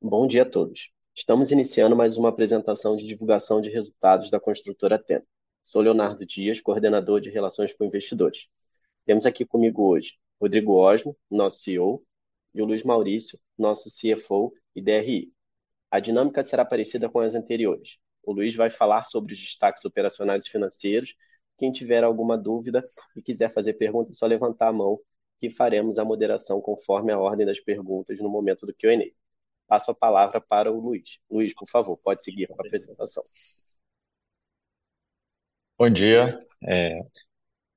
Bom dia a todos. Estamos iniciando mais uma apresentação de divulgação de resultados da Construtora Tenda. Sou Leonardo Dias, coordenador de Relações com Investidores. Temos aqui conosco hoje Rodrigo Osmo, nosso CEO, e o Luiz Maurício, nosso CFO e DRI. A dinâmica será parecida com as anteriores. O Luiz vai falar sobre os destaques operacionais e financeiros. Quem tiver alguma dúvida e quiser fazer pergunta, é só levantar a mão que faremos a moderação conforme a ordem das perguntas no momento do Q&A. Passo a palavra para o Luiz. Luiz, por favor, pode seguir com a apresentação. Bom dia.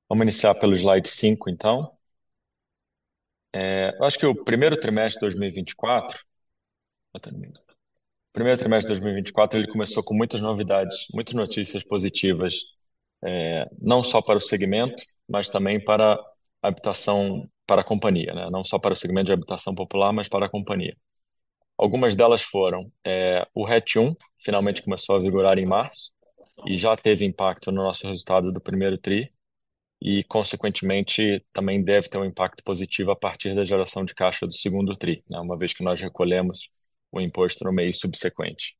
Vamos iniciar pelo slide 5, então. Eu acho que o primeiro trimestre de 2024. O primeiro trimestre de 2024, ele começou com muitas novidades, muitas notícias positivas, não só para o segmento, mas também para a habitação, para a companhia, né. Não só para o segmento de habitação popular, mas para a companhia. Algumas delas foram o RET 1 finalmente começou a vigorar em março e já teve impacto no nosso resultado do primeiro tri e, consequentemente, também deve ter um impacto positivo a partir da geração de caixa do segundo tri, né, uma vez que nós recolhemos o imposto no mês subsequente.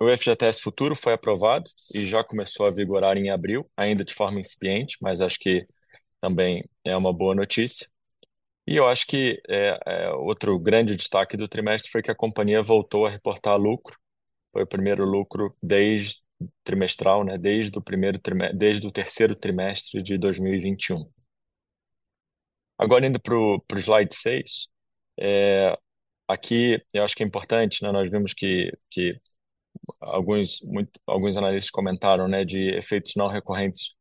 O FGTS Futuro foi aprovado e já começou a vigorar em abril, ainda de forma incipiente, mas acho que também é uma boa notícia. Eu acho que outro grande destaque do trimestre foi que a companhia voltou a reportar lucro. Foi o primeiro lucro trimestral, né, desde o terceiro trimestre de 2021. Agora indo pro slide 6. Aqui eu acho que é importante, né. Nós vimos que alguns analistas comentaram, né, de efeitos não recorrentes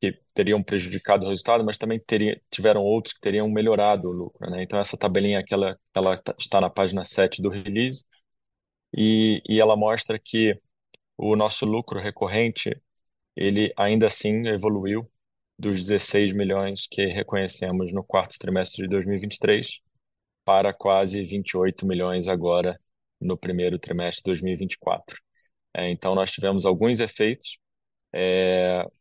que teriam prejudicado o resultado, mas também tiveram outros que teriam melhorado o lucro, né. Então essa tabelinha, que ela está na página 7 do release, e ela mostra que o nosso lucro recorrente evoluiu do 16 milhões que reconhecemos no quarto trimestre de 2023 para quase 28 milhões agora no primeiro trimestre de 2024. Então nós tivemos alguns efeitos.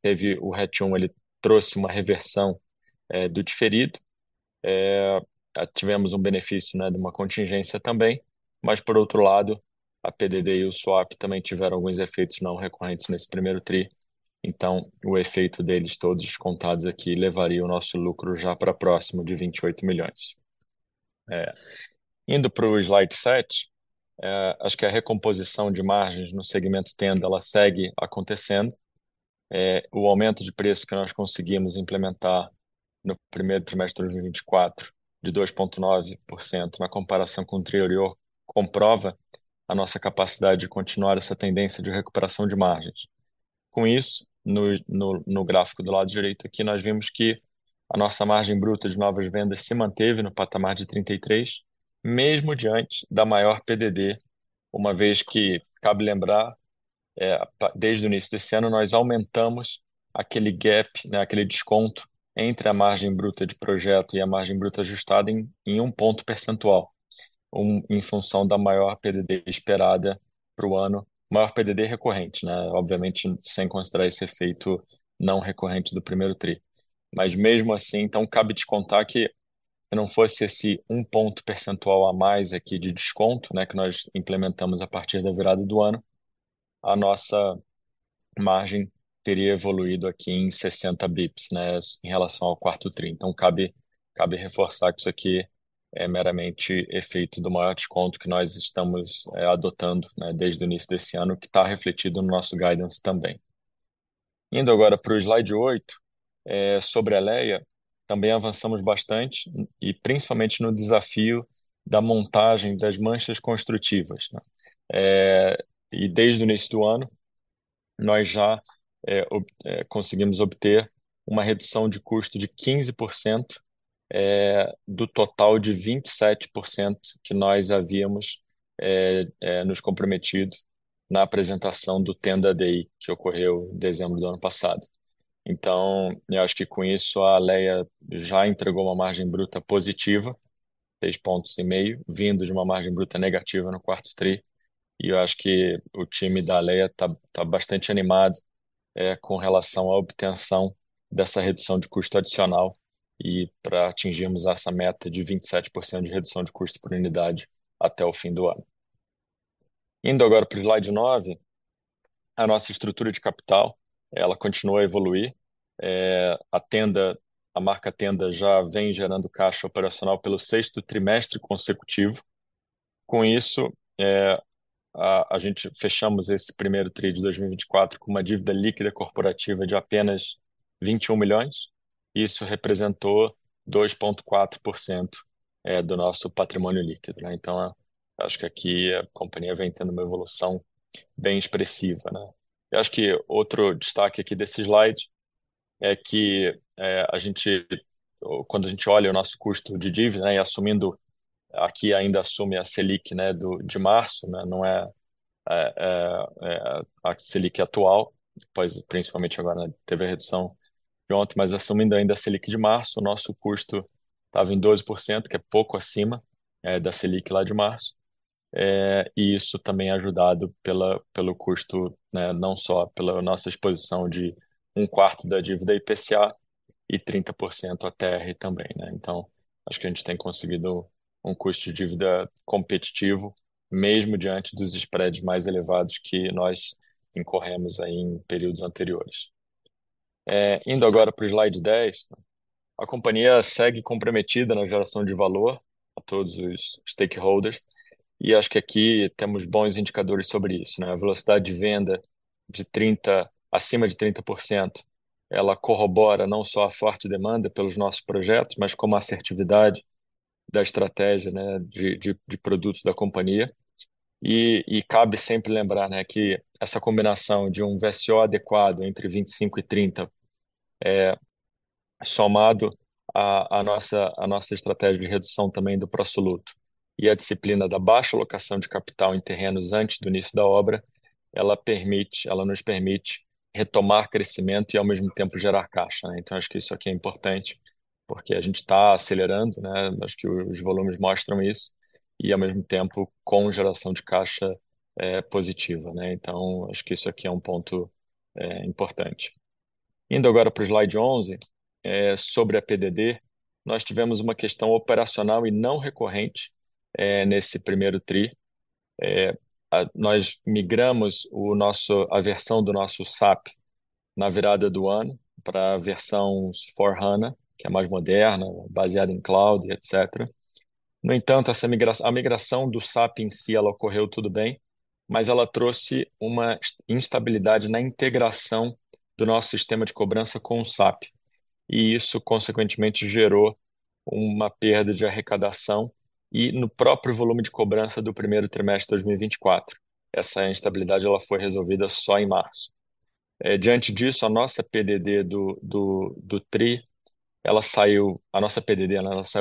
Teve o RET 1, ele trouxe uma reversão do diferido. Tuvemos um benefício, né, de uma contingência também, mas por outro lado, a PDD e o swap também tiveram alguns efeitos não recorrentes nesse primeiro tri, então o efeito deles todos descontados aqui levariam o nosso lucro já pra próximo de 28 milhões. Indo pro slide 7, acho que a recomposição de margens no segmento Tenda, ela segue acontecendo. O aumento de preço que nós conseguimos implementar no primeiro trimestre de 2024, de 2.9% na comparação com o anterior, comprova a nossa capacidade de continuar essa tendência de recuperação de margens. Com isso, no gráfico do lado direito aqui, nós vemos que a nossa margem bruta de novas vendas se manteve no patamar de 33%, mesmo diante da maior PDD, uma vez que, cabe lembrar, desde o início desse ano, nós aumentamos aquele gap, né, aquele desconto entre a margem bruta de projeto e a margem bruta ajustada em 1 ponto percentual, em função da maior PDD esperada pro ano. Maior PDD recorrente, né, obviamente sem considerar esse efeito não recorrente do primeiro tri. Mas mesmo assim, cabe descontar que se não fosse esse 1 ponto percentual a mais aqui de desconto, né, que nós implementamos a partir da virada do ano, a nossa margem teria evoluído aqui em 60 bps, né, em relação ao quarto tri. Cabe reforçar que isso aqui é meramente efeito do maior desconto que nós estamos adotando desde o início desse ano, que tá refletido no nosso guidance também. Indo agora pro slide oito sobre a Alea, também avançamos bastante e principalmente no desafio da montagem das manchas construtivas. Desde o início do ano, nós já conseguimos obter uma redução de custo de 15% do total de 27% que nós havíamos nos comprometido na apresentação do Tenda Day, que ocorreu em dezembro do ano passado. Eu acho que com isso a Alea já entregou uma margem bruta positiva, 3.5 pontos, vindo de uma margem bruta negativa no quarto tri. Eu acho que o time da Alea tá bastante animado com relação à obtenção dessa redução de custo adicional e pra atingirmos essa meta de 27% de redução de custo por unidade até o fim do ano. Indo agora pro slide 9, a nossa estrutura de capital, ela continua a evoluir. A Tenda, a marca Tenda já vem gerando caixa operacional pelo sexto trimestre consecutivo. Com isso, a gente fechamos esse primeiro tri de 2024 com uma dívida líquida corporativa de apenas 21 milhões. Isso representou 2.4%, do nosso patrimônio líquido, né. Então acho que aqui a companhia vem tendo uma evolução bem expressiva, né? Eu acho que outro destaque aqui desse slide é que a gente, quando a gente olha o nosso custo de dívida, e assumindo aqui ainda a Selic de março, a Selic atual, pois principalmente agora teve a redução de ontem, mas assumindo ainda a Selic de março, o nosso custo tava em 12%, que é pouco acima da Selic lá de março. E isso também ajudado pelo custo, não só pela nossa exposição de um quarto da dívida IPCA e 30% à TR também. Então acho que a gente tem conseguido um custo de dívida competitivo, mesmo diante dos spreads mais elevados que nós incorremos aí em períodos anteriores. Indo agora pro slide 10, a companhia segue comprometida na geração de valor a todos os stakeholders e acho que aqui temos bons indicadores sobre isso, né. A velocidade de venda acima de 30%, ela corrobora não só a forte demanda pelos nossos projetos, mas como a assertividade da estratégia, né, de produtos da companhia. E cabe sempre lembrar, né, que essa combinação de um VSO adequado entre 25 e 30, somado à nossa estratégia de redução também do pró-soluto e à disciplina da baixa alocação de capital em terrenos antes do início da obra, ela nos permite retomar crescimento e ao mesmo tempo gerar caixa, né. Acho que isso aqui é importante, porque a gente tá acelerando, né, acho que os volumes mostram isso e, ao mesmo tempo, com geração de caixa positiva, né. Acho que isso aqui é um ponto importante. Indo agora pro slide 11, sobre a PDD, nós tivemos uma questão operacional e não recorrente nesse primeiro tri. Nós migramos a versão do nosso SAP na virada do ano pra versões S/4HANA, que é mais moderna, baseada em cloud, etc. No entanto, essa migração, a migração do SAP em si, ela ocorreu tudo bem, mas ela trouxe uma instabilidade na integração do nosso sistema de cobrança com o SAP, e isso consequentemente gerou uma perda de arrecadação e no próprio volume de cobrança do primeiro trimestre de 2024. Essa instabilidade ela foi resolvida só em março. Diante disso, a nossa PDD do primeiro tri saiu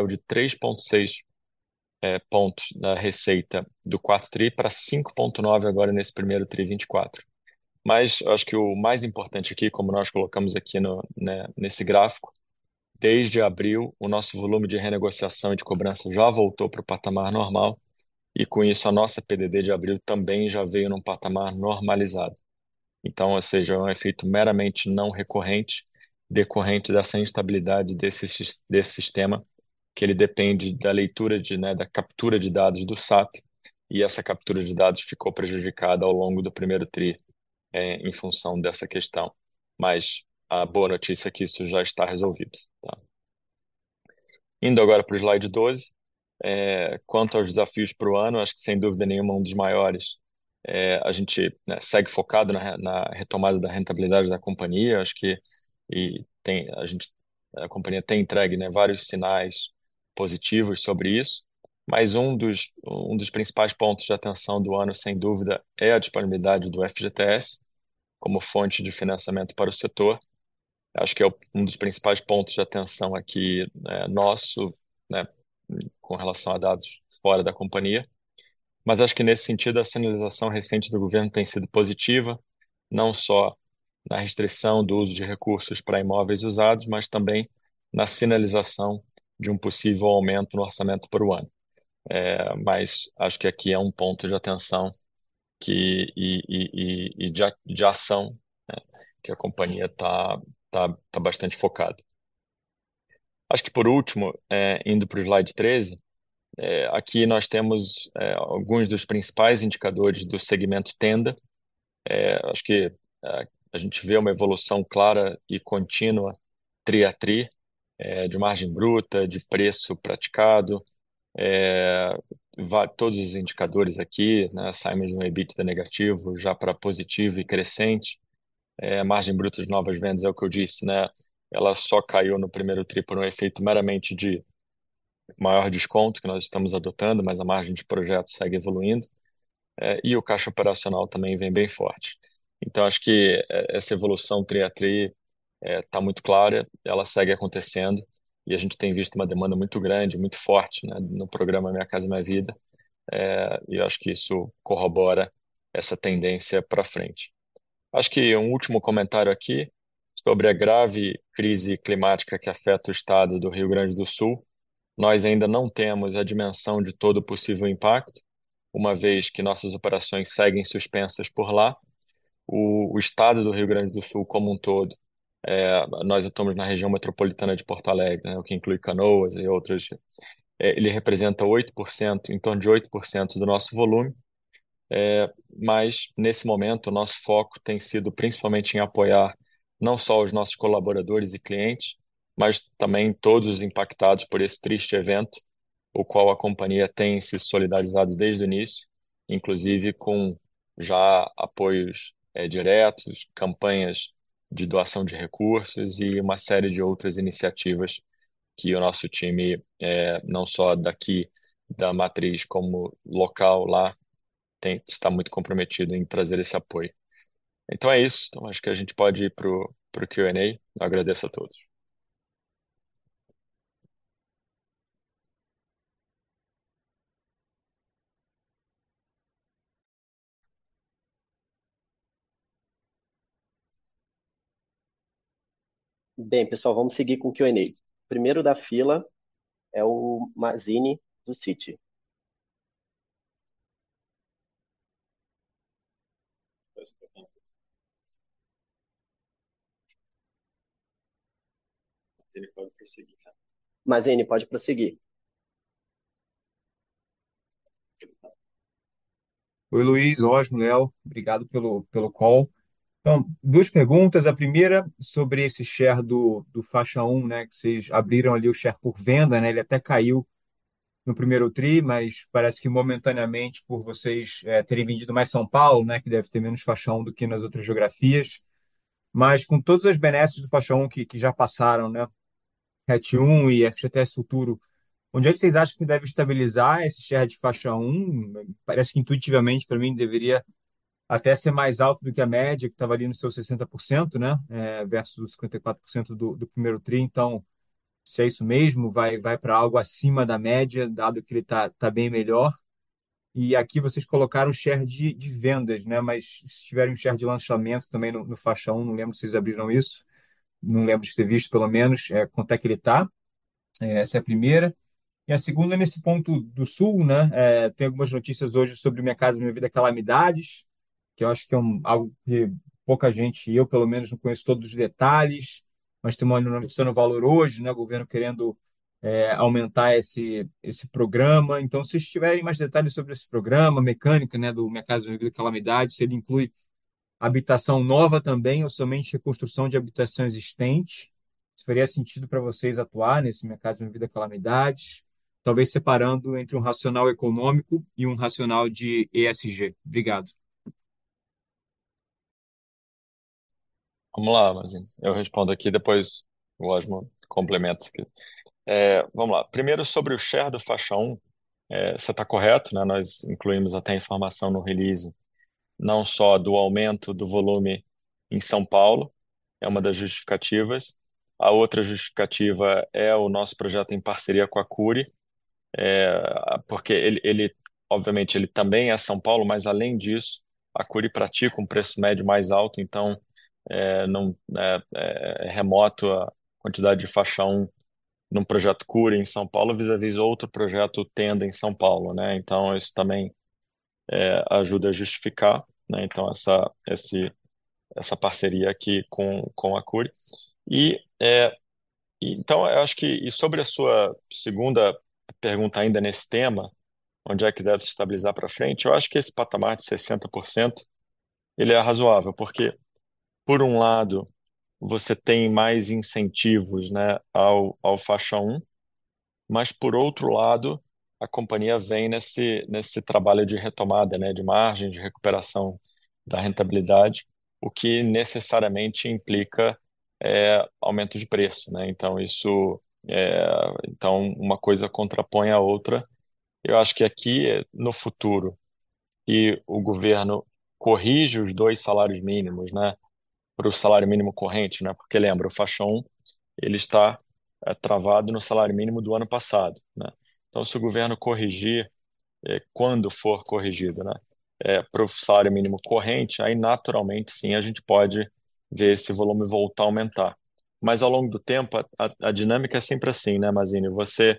de 3.6 points da receita do Q4 pra 5.9 agora nesse Q1 2024. Acho que o mais importante aqui, como nós colocamos aqui, né, nesse gráfico, desde abril, o nosso volume de renegociação e de cobrança já voltou pro patamar normal e com isso a nossa PDD de abril também já veio num patamar normalizado. Ou seja, é um efeito meramente não recorrente, decorrente dessa instabilidade desse sistema, que ele depende da leitura de, né, da captura de dados do SAP, e essa captura de dados ficou prejudicada ao longo do primeiro tri, em função dessa questão. A boa notícia é que isso já está resolvido, tá? Indo agora pro slide 12. Quanto aos desafios pro ano, acho que sem dúvida nenhuma, um dos maiores, a gente, né, segue focado na retomada da rentabilidade da companhia. Acho que a gente, a companhia tem entregue, né, vários sinais positivos sobre isso, mas um dos principais pontos de atenção do ano, sem dúvida, é a disponibilidade do FGTS como fonte de financiamento para o setor. Acho que é um dos principais pontos de atenção aqui, né, nosso, né, com relação a dados fora da companhia. Mas acho que nesse sentido, a sinalização recente do governo tem sido positiva, não só na restrição do uso de recursos pra imóveis usados, mas também na sinalização de um possível aumento no orçamento pro ano. Mas acho que aqui é um ponto de atenção que de ação, né, que a companhia tá bastante focada. Acho que por último, indo pro slide 13. Aqui nós temos alguns dos principais indicadores do segmento Tenda. A gente vê uma evolução clara e contínua tri a tri de margem bruta, de preço praticado. Todos os indicadores aqui, né, saem de um EBITDA negativo já pra positivo e crescente. A margem bruta de novas vendas é o que eu disse, né, ela só caiu no primeiro tri por um efeito meramente de maior desconto que nós estamos adotando, mas a margem de projeto segue evoluindo e o caixa operacional também vem bem forte. Acho que essa evolução tri a tri tá muito clara, ela segue acontecendo e a gente tem visto uma demanda muito grande, muito forte, né, no programa Minha Casa, Minha Vida. Acho que isso corrobora essa tendência pra frente. Acho que um último comentário aqui sobre a grave crise climática que afeta o estado do Rio Grande do Sul. Nós ainda não temos a dimensão de todo o possível impacto, uma vez que nossas operações seguem suspensas por lá. O estado do Rio Grande do Sul como um todo, nós estamos na região metropolitana de Porto Alegre, o que inclui Canoas e outras, ele representa 8%, em torno de 8% do nosso volume. Mas nesse momento, o nosso foco tem sido principalmente em apoiar não só os nossos colaboradores e clientes, mas também todos impactados por esse triste evento, o qual a companhia tem se solidarizado desde o início, inclusive com já apoios, diretos, campanhas de doação de recursos e uma série de outras iniciativas que o nosso time, não só daqui da matriz, como local lá, está muito comprometido em trazer esse apoio. Então é isso. Acho que a gente pode ir pro Q&A. Agradeço a todos. Bem, pessoal, vamos seguir com o Q&A. Primeiro da fila é o Mazini, do Citi. Mazini, pode prosseguir. Oi, Luiz, Osmo, Léo, obrigado pelo call. Então, duas perguntas. A primeira sobre esse share do Faixa 1, né, que cês abriram ali o share por venda, né, ele até caiu no primeiro tri, mas parece que momentaneamente por vocês terem vendido mais São Paulo, né, que deve ter menos Faixa 1 do que nas outras geografias. Mas com todas as benesses do Faixa 1 que já passaram, né, RET 1 e FGTS Futuro, onde é que cês acham que deve estabilizar esse share de Faixa 1? Parece que intuitivamente pra mim deveria até ser mais alto do que a média, que tava ali nos seus 60%, né, versus 54% do primeiro tri, então se é isso mesmo, vai pra algo acima da média, dado que ele tá bem melhor. Aqui vocês colocaram o share de vendas, né, mas se tiverem o share de lançamento também no Faixa 1, não lembro se vocês abriram isso, não lembro de ter visto pelo menos, quanto é que ele tá. Essa é a primeira. A segunda é nesse ponto do Sul, né, tem algumas notícias hoje sobre Minha Casa, Minha Vida Calamidades, que eu acho que é um algo que pouca gente, eu pelo menos não conheço todos os detalhes, mas tem uma notícia no Valor hoje, né, o governo querendo aumentar esse programa. Se estiverem mais detalhes sobre esse programa, mecânica, né, do Minha Casa, Minha Vida Calamidades, se ele inclui habitação nova também ou somente reconstrução de habitação existente, se faria sentido pra vocês atuar nesse Minha Casa, Minha Vida Calamidades, talvez separando entre um racional econômico e um racional de ESG? Obrigado. Vamos lá, Mazini. Eu respondo aqui, depois o Osmo complementa isso aqui. Vamos lá. Primeiro sobre o share da Faixa 1, cê tá correto, né, nós incluímos até a informação no release, não só do aumento do volume em São Paulo, uma das justificativas. A outra justificativa é o nosso projeto em parceria com a Cury, porque ele obviamente também é São Paulo, mas além disso, a Cury pratica um preço médio mais alto, então é menor a quantidade de Faixa 1 num projeto Cury em São Paulo, vis-à-vis outro projeto Tenda em São Paulo, né? Então isso também ajuda a justificar, né, então essa parceria aqui com a Cury. Sobre a sua segunda pergunta ainda nesse tema, onde é que deve se estabilizar pra frente, eu acho que esse patamar de 60% ele é razoável, porque por um lado você tem mais incentivos, né, ao Faixa 1, mas por outro lado a companhia vem nesse trabalho de retomada, né, de margem, de recuperação da rentabilidade, o que necessariamente implica aumento de preço, né. Então isso, então uma coisa contrapõe a outra. Eu acho que aqui, no futuro, e o governo corrige os dois salários mínimos, né, pro salário mínimo corrente, né, porque lembra, o Faixa 1 ele está travado no salário mínimo do ano passado, né. Então se o governo corrigir, quando for corrigido, né, pro salário mínimo corrente, aí naturalmente, sim, a gente pode ver esse volume voltar a aumentar. Ao longo do tempo, a dinâmica é sempre assim, né, Mazini. Você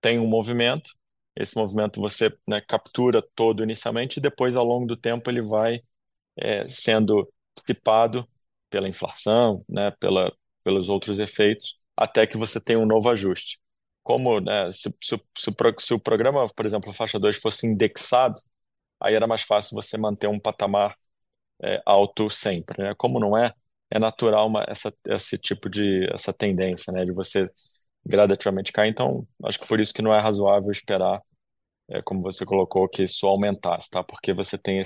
tem um movimento, esse movimento você captura todo inicialmente. Depois ao longo do tempo ele vai sendo dissipado pela inflação, né, pelos outros efeitos, até que você tem um novo ajuste. Como, né, se o programa, por exemplo, a Faixa 2 fosse indexado, aí era mais fácil você manter um patamar alto sempre, né. Como não é natural essa tendência de você gradativamente cair. Então acho que por isso que não é razoável esperar, como você colocou, que só aumentasse, tá. Porque você tem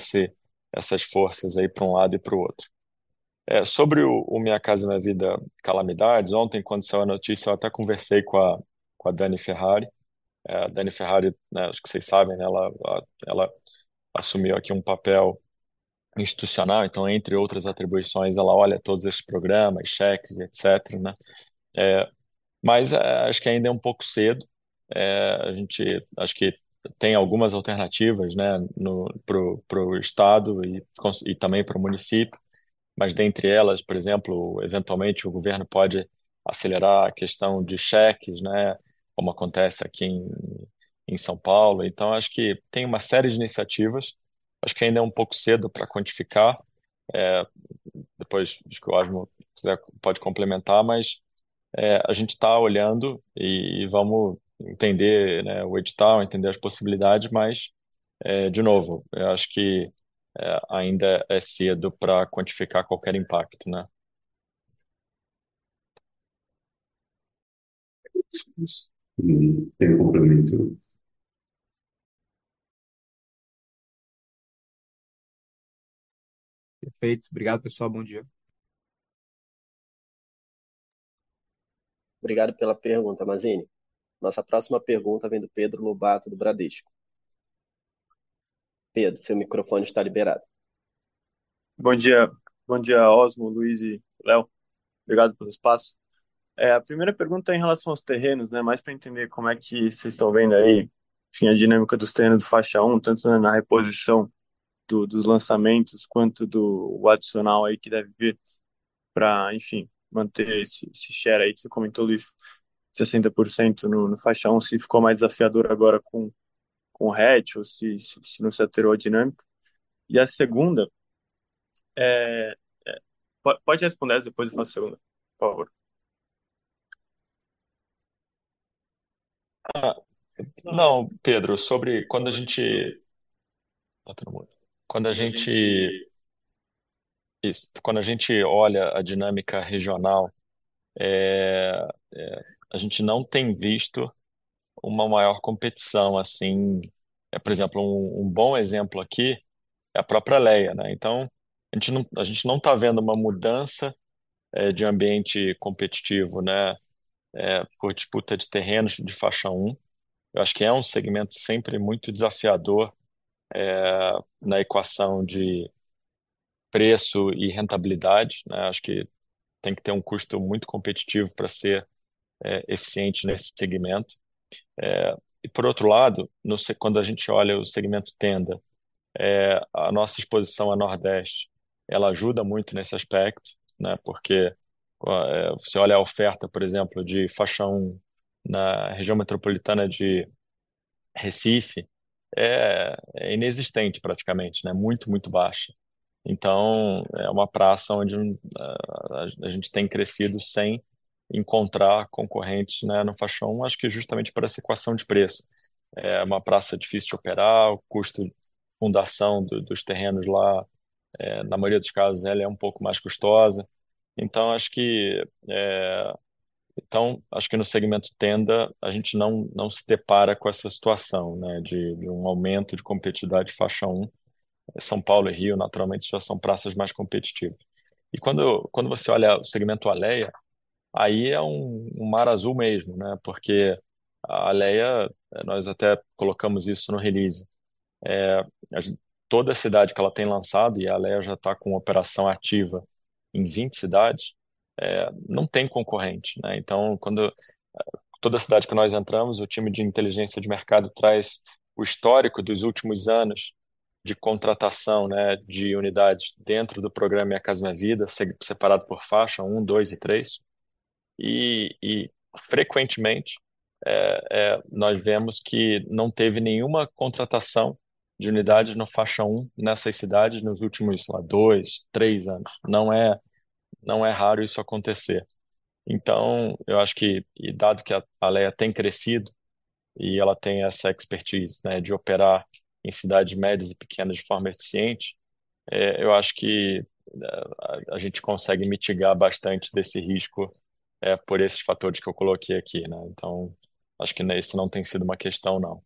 essas forças aí prum lado e pro outro. Sobre o Minha Casa, Minha Vida Calamidades, ontem quando saiu a notícia eu até conversei com a Dani Ferrari. Dani Ferrari, acho que vocês sabem, ela assumiu aqui um papel institucional, então entre outras atribuições ela olha todos esses programas, cheques e etcétera. Acho que ainda é um pouco cedo. A gente acha que tem algumas alternativas pro estado e também pro município, mas dentre elas, por exemplo, eventualmente o governo pode acelerar a questão de cheques, como acontece aqui em São Paulo. Então acho que tem uma série de iniciativas, acho que ainda é um pouco cedo pra quantificar. Depois acho que o Rodrigo Osmo, se quiser, pode complementar, mas a gente tá olhando e vamos entender o edital, entender as possibilidades, mas de novo, eu acho que ainda é cedo pra quantificar qualquer impacto. Perfeito. Obrigado, pessoal. Bom dia. Obrigado pela pergunta, Mazini. Nossa próxima pergunta vem do Pedro Lobato, do Bradesco. Pedro, seu microfone está liberado. Bom dia. Bom dia, Rodrigo Osmo, Luiz Maurício e Léo. Obrigado pelo espaço. A primeira pergunta é em relação aos terrenos, né, mais pra entender como é que cês tão vendo aí, enfim, a dinâmica dos terrenos do Faixa 1, tanto na reposição dos lançamentos, quanto do adicional aí que deve vir pra, enfim, manter esse share aí que cê comentou, Luiz Maurício, 60% no Faixa 1, se ficou mais desafiador agora com o RET ou se não se alterou a dinâmica. A segunda, pode responder essa e depois eu faço a segunda, por favor. Não, Pedro, sobre quando a gente olha a dinâmica regional, a gente não tem visto uma maior competição assim, por exemplo, um bom exemplo aqui é a própria Alea, né? Então a gente não tá vendo uma mudança de ambiente competitivo, né, por disputa de terrenos de Faixa 1. Eu acho que é um segmento sempre muito desafiador na equação de preço e rentabilidade, né? Acho que tem que ter um custo muito competitivo pra ser eficiente nesse segmento. E por outro lado, quando a gente olha o segmento Tenda, a nossa exposição a Nordeste ela ajuda muito nesse aspecto, né? Porque você olha a oferta, por exemplo, de Faixa 1 na região metropolitana de Recife, inexistente praticamente, né? Muito baixa. É uma praça onde a gente tem crescido sem encontrar concorrentes, né, no Faixa 1, acho que justamente por essa equação de preço. É uma praça difícil de operar, o custo de fundação dos terrenos lá, na maioria dos casos ela é um pouco mais custosa. Acho que no segmento Tenda a gente não se depara com essa situação, né, de um aumento de competitividade Faixa 1. São Paulo e Rio, naturalmente, já são praças mais competitivas. Quando você olha o segmento Alea, aí é um mar azul mesmo, né? Porque a Alea, nós até colocamos isso no release. Toda cidade que ela tem lançado, e a Alea já tá com operação ativa em 20 cidades, não tem concorrente, né? Quando toda cidade que nós entramos, o time de inteligência de mercado traz o histórico dos últimos anos de contratação, né, de unidades dentro do programa Minha Casa, Minha Vida, separado por faixa 1, 2 e 3. Frequentemente, nós vemos que não teve nenhuma contratação de unidades na faixa 1 nessas cidades nos últimos 2, 3 anos. Não é raro isso acontecer. Eu acho que, e dado que a Alea tem crescido e ela tem essa expertise, né, de operar em cidades médias e pequenas de forma eficiente, eu acho que a gente consegue mitigar bastante desse risco, por esses fatores que eu coloquei aqui, né. Acho que isso não tem sido uma questão, não.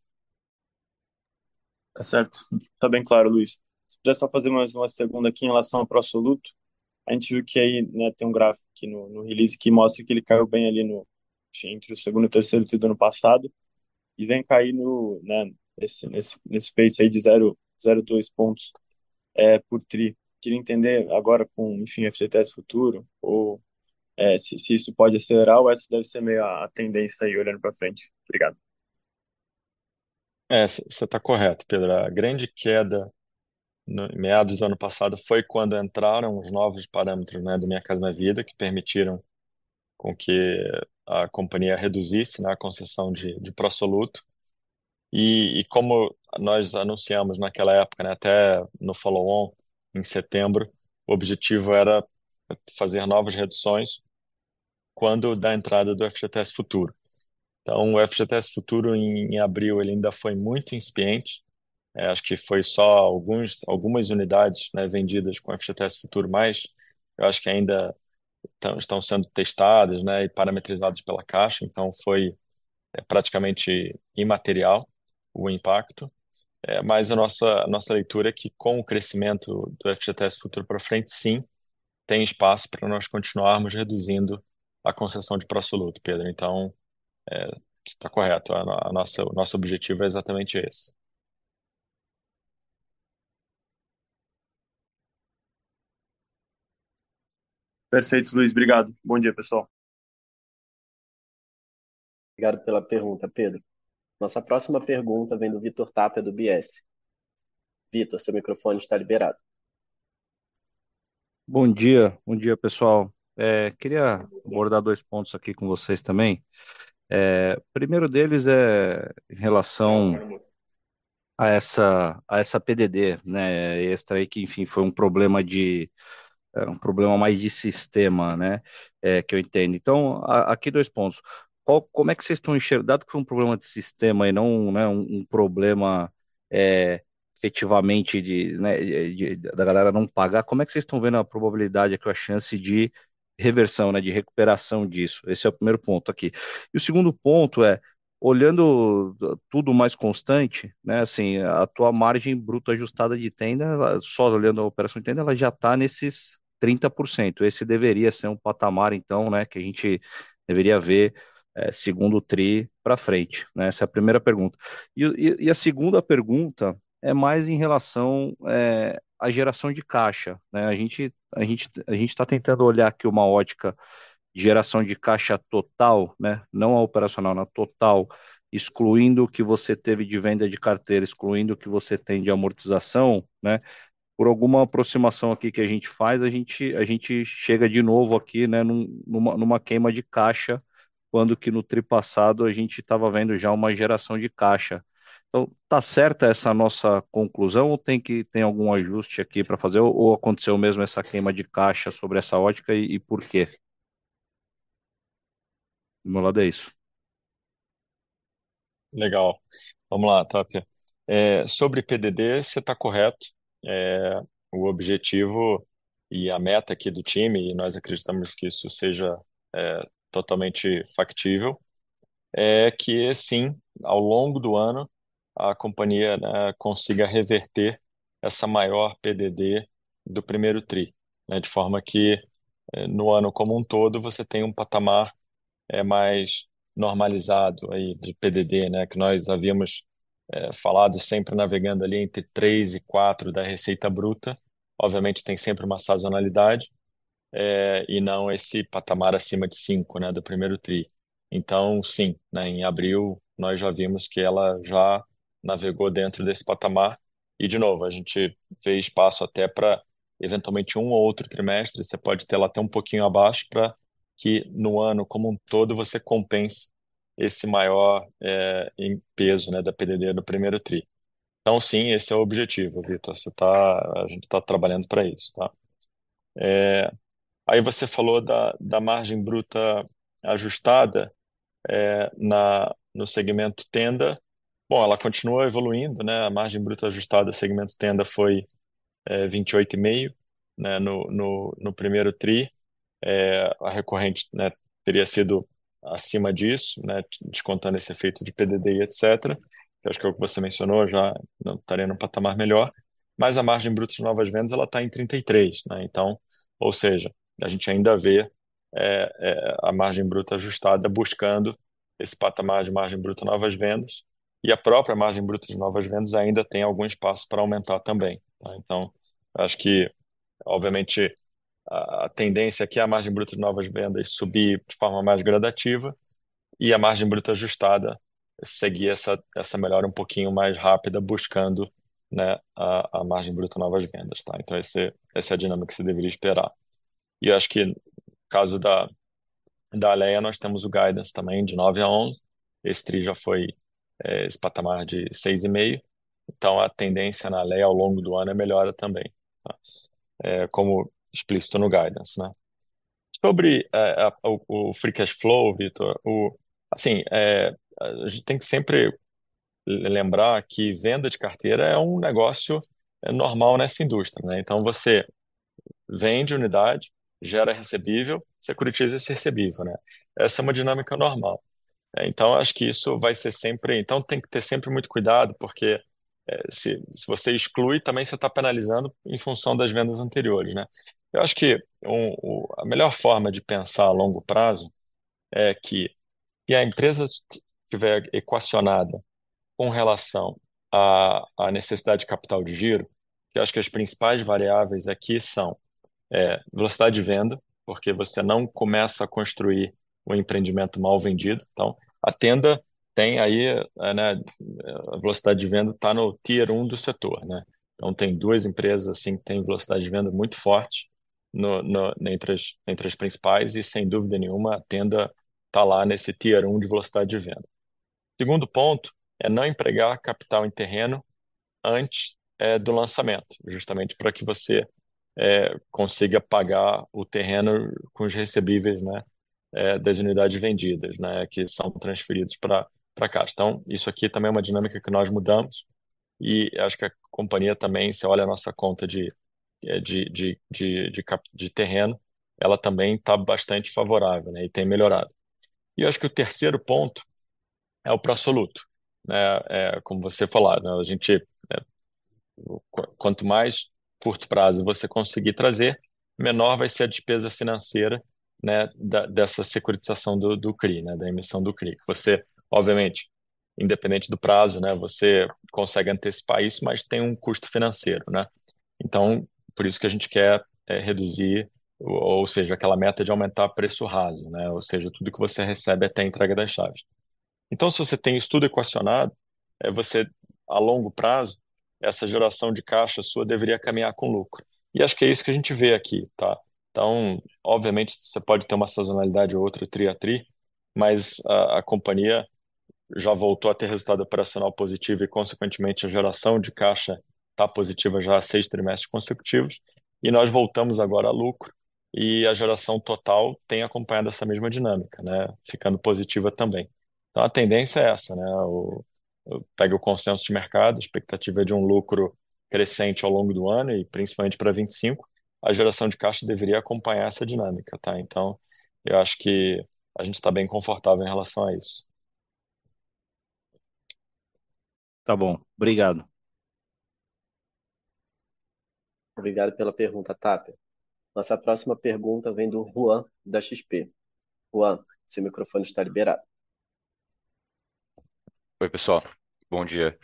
Tá certo. Tá bem claro, Luiz. Se puder só fazer mais uma pergunta aqui em relação ao pró-soluto. A gente viu que aí, né, tem um gráfico aqui no release que mostra que ele caiu bem ali entre o segundo e o terceiro tri do ano passado e vem caindo, né, nesse espaço aí de 0.02 pontos por tri. Queria entender agora com, enfim, FGTS Futuro ou se isso pode acelerar ou essa deve ser meio a tendência aí olhando pra frente. Obrigado. Cê tá correto, Pedro. A grande queda no meados do ano passado foi quando entraram os novos parâmetros, né, do Minha Casa, Minha Vida, que permitiram que a companhia reduzisse, né, a concessão de pró-soluto. Como nós anunciamos naquela época, né, até no follow-on em setembro, o objetivo era fazer novas reduções quando da entrada do FGTS Futuro. Então o FGTS Futuro em abril ele ainda foi muito incipiente. Acho que foi só algumas unidades, né, vendidas com o FGTS Futuro, mas eu acho que ainda estão sendo testadas, né, e parametrizadas pela Caixa, então foi praticamente imaterial o impacto. Mas a nossa leitura é que com o crescimento do FGTS Futuro pra frente, sim, tem espaço pra nós continuarmos reduzindo a concessão de pró-soluto, Pedro. Então, cê tá correto. O nosso objetivo é exatamente esse. Perfeito, Luiz. Obrigado. Bom dia, pessoal. Obrigado pela pergunta, Pedro. Nossa próxima pergunta vem do Victor Tapia, do Itaú BBA. Victor, seu microfone está liberado. Bom dia, pessoal. Queria abordar 2 pontos aqui com vocês também. Primeiro deles é em relação a essa PDD extra aí que enfim, foi um problema de um problema mais de sistema que eu entendo. Então aqui 2 pontos, qual, como é que vocês tão enxergando, dado que foi um problema de sistema e não um problema efetivamente de da galera não pagar, como é que vocês tão vendo a probabilidade aqui, uma chance de reversão de recuperação disso? Esse é o primeiro ponto aqui. O segundo ponto é, olhando tudo mais constante, assim, a tua margem bruta ajustada de Tenda, só olhando a operação Tenda, ela já tá nesses 30%. Esse deveria ser um patamar então que a gente deveria ver segundo tri pra frente. Essa é a primeira pergunta. A segunda pergunta é mais em relação à geração de caixa, né? A gente tá tentando olhar aqui uma ótica de geração de caixa total, né? Não a operacional, a total, excluindo o que você teve de venda de carteira, excluindo o que você tem de amortização, né? Por alguma aproximação aqui que a gente faz, a gente chega de novo aqui, né, numa queima de caixa, quando que no tri passado a gente tava vendo já uma geração de caixa. Então tá certa essa nossa conclusão ou tem algum ajuste aqui pra fazer ou aconteceu mesmo essa queima de caixa sobre essa ótica e por quê? Do meu lado é isso. Legal, vamo lá, Tápia. Sobre PDD, cê tá correto. O objetivo é a meta aqui do time, e nós acreditamos que isso seja totalmente factível, que sim, ao longo do ano, a companhia consiga reverter essa maior PDD do primeiro tri, de forma que no ano como um todo você tenha um patamar mais normalizado aí de PDD, que nós havíamos falado sempre navegando ali entre 3%-4% da receita bruta. Obviamente, tem sempre uma sazonalidade e não esse patamar acima de 5% do primeiro tri. Em abril nós já vimos que ela já navegou dentro desse patamar. De novo, a gente vê espaço até pra eventualmente um ou outro trimestre, você pode ter ela até um pouquinho abaixo pra que no ano como um todo você compense esse maior em peso, né, da PDD do primeiro tri. Então, sim, esse é o objetivo, Victor, a gente tá trabalhando pra isso, tá? Aí você falou da margem bruta ajustada no segmento Tenda. Bom, ela continua evoluindo, né? A margem bruta ajustada segmento Tenda foi 28.5%, né, no primeiro tri. A recorrente, né, teria sido acima disso, né? Descontando esse efeito de PDD e etc. Que eu acho que é o que você mencionou, já taria num patamar melhor, mas a margem bruta de novas vendas, ela tá em 33%, né, então. Ou seja, a gente ainda vê a margem bruta ajustada buscando esse patamar de margem bruta novas vendas, e a própria margem bruta de novas vendas ainda tem algum espaço pra aumentar também, tá? Então acho que, obviamente, a tendência aqui é a margem bruta de novas vendas subir de forma mais gradativa e a margem bruta ajustada seguir essa melhora um pouquinho mais rápida, buscando, né, a margem bruta novas vendas, tá? Então essa é a dinâmica que cê deveria esperar. Acho que no caso da Alea, nós temos o Guidance também de 9%-11%. Esse trimestre já foi esse patamar de 6.5%. Então a tendência na Alea ao longo do ano é melhora também, tá? Como explícito no Guidance, né? Sobre o free cash flow, Victor, assim, a gente tem que sempre lembrar que venda de carteira é um negócio normal nessa indústria, né. Então você vende unidade, gera recebível, securitiza esse recebível, né? Essa é uma dinâmica normal. Então acho que isso vai ser sempre, então tem que ter sempre muito cuidado, porque, se você exclui, também cê tá penalizando em função das vendas anteriores, né? Eu acho que a melhor forma de pensar a longo prazo é que a empresa tiver equacionada com relação à necessidade de capital de giro, que eu acho que as principais variáveis aqui são velocidade de venda, porque você não começa a construir um empreendimento mal vendido. Então a Tenda tem aí, né, a velocidade de venda tá no tier um do setor, né? Tem duas empresas, assim, que têm velocidade de venda muito forte no, entre as principais e sem dúvida nenhuma a Tenda tá lá nesse tier 1 de velocidade de venda. Segundo ponto é não empregar capital em terreno antes do lançamento, justamente pra que você consiga pagar o terreno com os recebíveis das unidades vendidas, né, que são transferidos pra cá. Isso aqui também é uma dinâmica que nós mudamos e acho que a companhia também, você olha a nossa conta de capital de terreno, ela também tá bastante favorável, né, e tem melhorado. Acho que o terceiro ponto é o pró-soluto, né? Como você falou, a gente, quanto mais curto prazo você conseguir trazer, menor vai ser a despesa financeira da securitização do CRI, da emissão do CRI, que você obviamente independente do prazo consegue antecipar isso, mas tem um custo financeiro. Por isso que a gente quer reduzir, ou seja, aquela meta de aumentar preço raso, ou seja, tudo que você recebe até a entrega das chaves. Se você tem isso tudo equacionado, a longo prazo essa geração de caixa sua deveria caminhar com lucro. Acho que é isso que a gente vê aqui. Obviamente, cê pode ter uma sazonalidade ou outra trimestre a trimestre, mas a companhia já voltou a ter resultado operacional positivo e consequentemente a geração de caixa tá positiva já há 6 trimestres consecutivos. Nós voltamos agora a lucro e a geração total tem acompanhado essa mesma dinâmica, né, ficando positiva também. A tendência é essa, né, pega o consenso de mercado, a expectativa é de um lucro crescente ao longo do ano e principalmente pra 2025, a geração de caixa deveria acompanhar essa dinâmica, tá? Eu acho que a gente tá bem confortável em relação a isso. Tá bom, obrigado. Obrigado pela pergunta, Tapia. Nossa próxima pergunta vem do Ruan, da XP. Ruan, seu microfone está liberado. Oi, pessoal. Bom dia.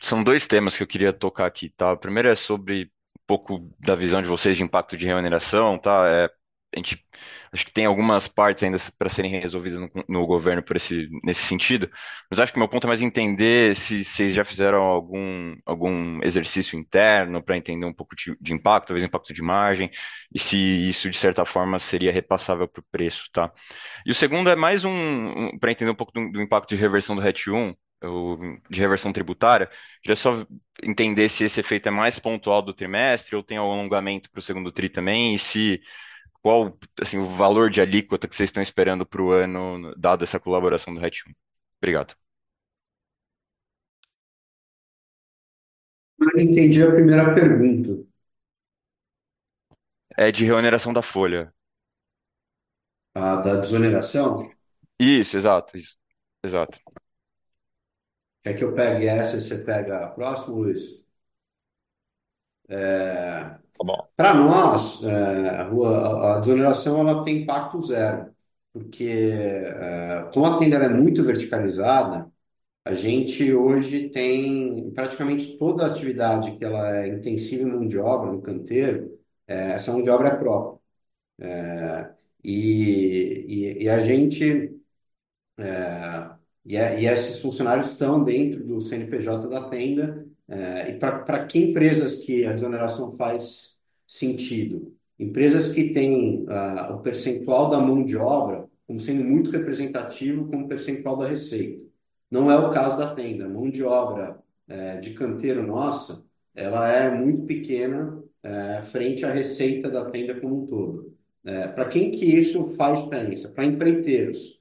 São dois temas que eu queria tocar aqui, tá? O primeiro é sobre um pouco da visão de vocês de impacto de reoneração, tá? A gente acho que tem algumas partes ainda para serem resolvidas no governo nesse sentido, mas acho que o meu ponto é mais entender se vocês já fizeram algum exercício interno pra entender um pouco de impacto, talvez impacto de margem e se isso de certa forma seria repassável pro preço, tá? O segundo é mais um pra entender um pouco do impacto de reversão do RET 1, de reversão tributária. Queria só entender se esse efeito é mais pontual do trimestre ou tem algum alongamento pro segundo tri também e qual assim o valor de alíquota que cês tão esperando pro ano, dado essa reversão do RET 1. Obrigado. Não entendi a primeira pergunta. É de reoneração da folha. da desoneração? Isso, exato, isso. Exato. Quer que eu pegue essa e cê pega a próxima, Luiz? Tá bom. Para nós, a desoneração tem impacto zero, porque como a Tenda é muito verticalizada, a gente hoje tem praticamente toda a atividade que é intensiva em mão de obra no canteiro, essa mão de obra é própria. E esses funcionários estão dentro do CNPJ da Tenda, e para que empresas a desoneração faz sentido? Empresas que têm o percentual da mão de obra como sendo muito representativo como percentual da receita. Não é o caso da Tenda. A mão de obra de canteiro nossa ela é muito pequena frente à receita da Tenda como um todo. Para quem isso faz diferença? Para empreiteiros.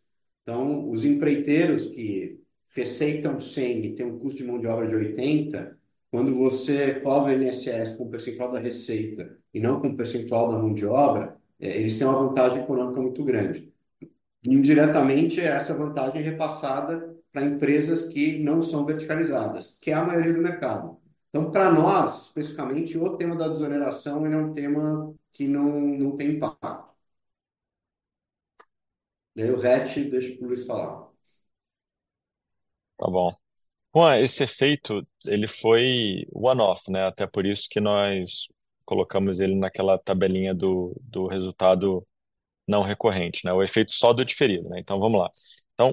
Os empreiteiros que receitam 100 e têm um custo de mão de obra de 80, quando você cobra INSS com o percentual da receita e não com o percentual da mão de obra, eles têm uma vantagem econômica muito grande. Indiretamente, essa vantagem é repassada pra empresas que não são verticalizadas, que é a maioria do mercado. Pra nós, especificamente, o tema da desoneração, ele é um tema que não tem impacto. O RET, deixo pro Luiz falar. Tá bom. Ruan, esse efeito ele foi one-off, né? Até por isso que nós colocamos ele naquela tabelinha do resultado não recorrente, né? O efeito só do diferido, né? Vamos lá.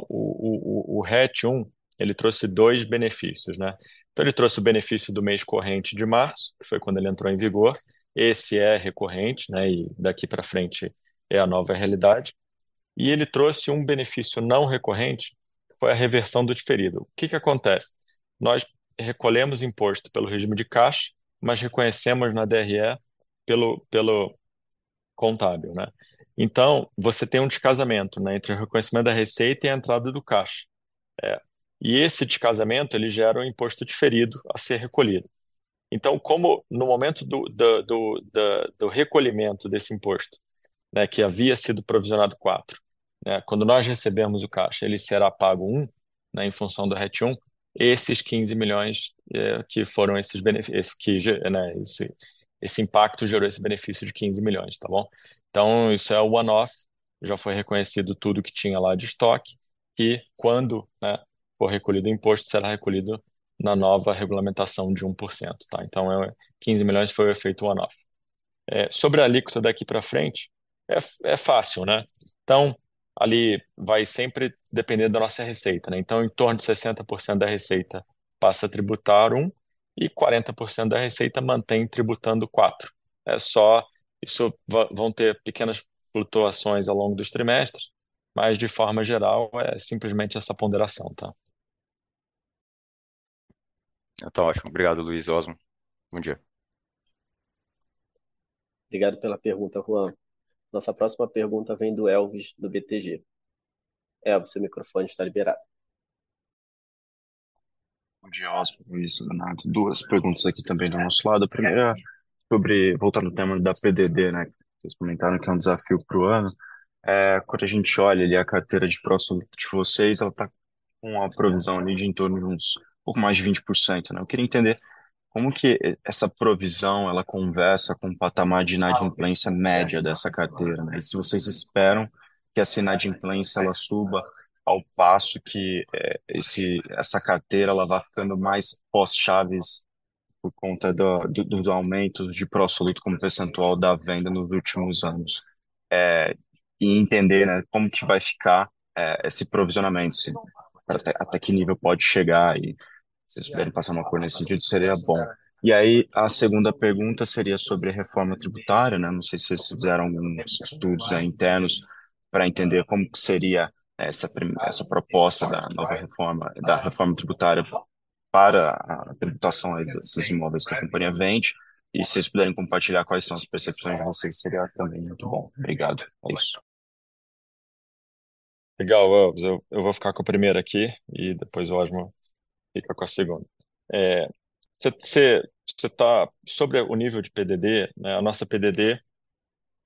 O RET 1, ele trouxe dois benefícios, né? Ele trouxe o benefício do mês corrente de março, que foi quando ele entrou em vigor. Esse é recorrente, né? Daqui pra frente é a nova realidade. Ele trouxe um benefício não recorrente, que foi a reversão do diferido. O que que acontece? Nós recolhemos imposto pelo regime de caixa, mas reconhecemos na DRE pelo contábil, né? Você tem um descasamento, né, entre o reconhecimento da receita e a entrada do caixa. Esse descasamento, ele gera o imposto diferido a ser recolhido. Como no momento do recolhimento desse imposto, né, que havia sido provisionado 4, né, quando nós recebemos o caixa, ele será pago 1, né, em função do RET 1, esses 15 milhões, que esse impacto gerou esse benefício de 15 milhões, tá bom? Isso é o one-off, já foi reconhecido tudo que tinha lá de estoque, que quando, né, for recolhido o imposto, será recolhido na nova regulamentação de 1%, tá? 15 milhões foi o efeito one-off. Sobre a alíquota daqui pra frente, é fácil, né? Ali vai sempre depender da nossa receita, né? Em torno de 60% da receita passa a tributar 1 e 40% da receita mantém tributando 4. É só, isso vão ter pequenas flutuações ao longo dos trimestres, mas de forma geral é simplesmente essa ponderação, tá? Tá ótimo. Obrigado, Luiz e Osmo. Bom dia. Obrigado pela pergunta, Ruan. Nossa próxima pergunta vem do Elvis, do BTG. Elvis, seu microfone está liberado. Bom dia, Osmo, Luiz e Renato. Duas perguntas aqui também do nosso lado. A primeira sobre, voltando ao tema da PDD, né, que vocês comentaram que é um desafio pro ano. Quando a gente olha ali a carteira de pró-soluto de vocês, ela tá com uma provisão ali de em torno de um pouco mais de 20%, né? Eu queria entender como que essa provisão ela conversa com o patamar de inadimplência média dessa carteira, né? E se vocês esperam que essa inadimplência ela suba ao passo que essa carteira ela vá ficando mais pós-chaves por conta dos aumentos de pró-soluto como percentual da venda nos últimos anos. Entender, né, como que vai ficar esse provisionamento, se até que nível pode chegar e se vocês puderem passar uma coisa nesse sentido, seria bom. Aí a segunda pergunta seria sobre reforma tributária, né? Não sei se vocês fizeram algum estudo já internos pra entender como que seria essa proposta da nova reforma, da reforma tributária para a tributação aí desses imóveis que a companhia vende. Se vocês puderem compartilhar quais são as percepções de vocês, seria também muito bom. Obrigado. É isso. Legal, Elvis. Eu vou ficar com a primeira aqui e depois o Osmo fica com a segunda. Sobre o nível de PDD, né, a nossa PDD,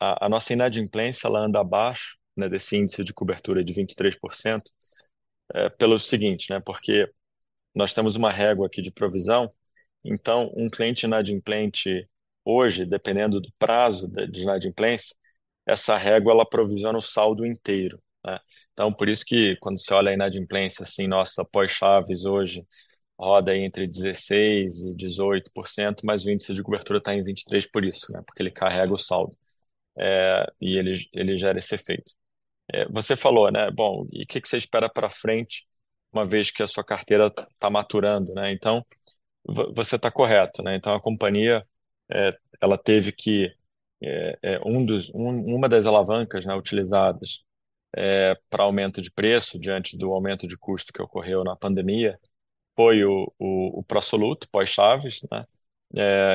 a nossa inadimplência ela anda abaixo, né, desse índice de cobertura de 23%, é, pelo seguinte, né, porque nós temos uma régua aqui de provisão, então um cliente inadimplente hoje, dependendo do prazo de inadimplência, essa régua ela provisiona o saldo inteiro, né? Então por isso que quando cê olha a inadimplência, assim, nossa pós-chaves hoje, roda entre 16% e 18%, mas o índice de cobertura tá em 23% por isso, né? Porque ele carrega o saldo. Ele gera esse efeito. Você falou, né: "Bom, e o que que cê espera pra frente, uma vez que a sua carteira tá maturando, né?" Você tá correto, né. A companhia, ela teve que, uma das alavancas, né, utilizadas, pra aumento de preço diante do aumento de custo que ocorreu na pandemia, foi o pró-soluto pós-chaves, né.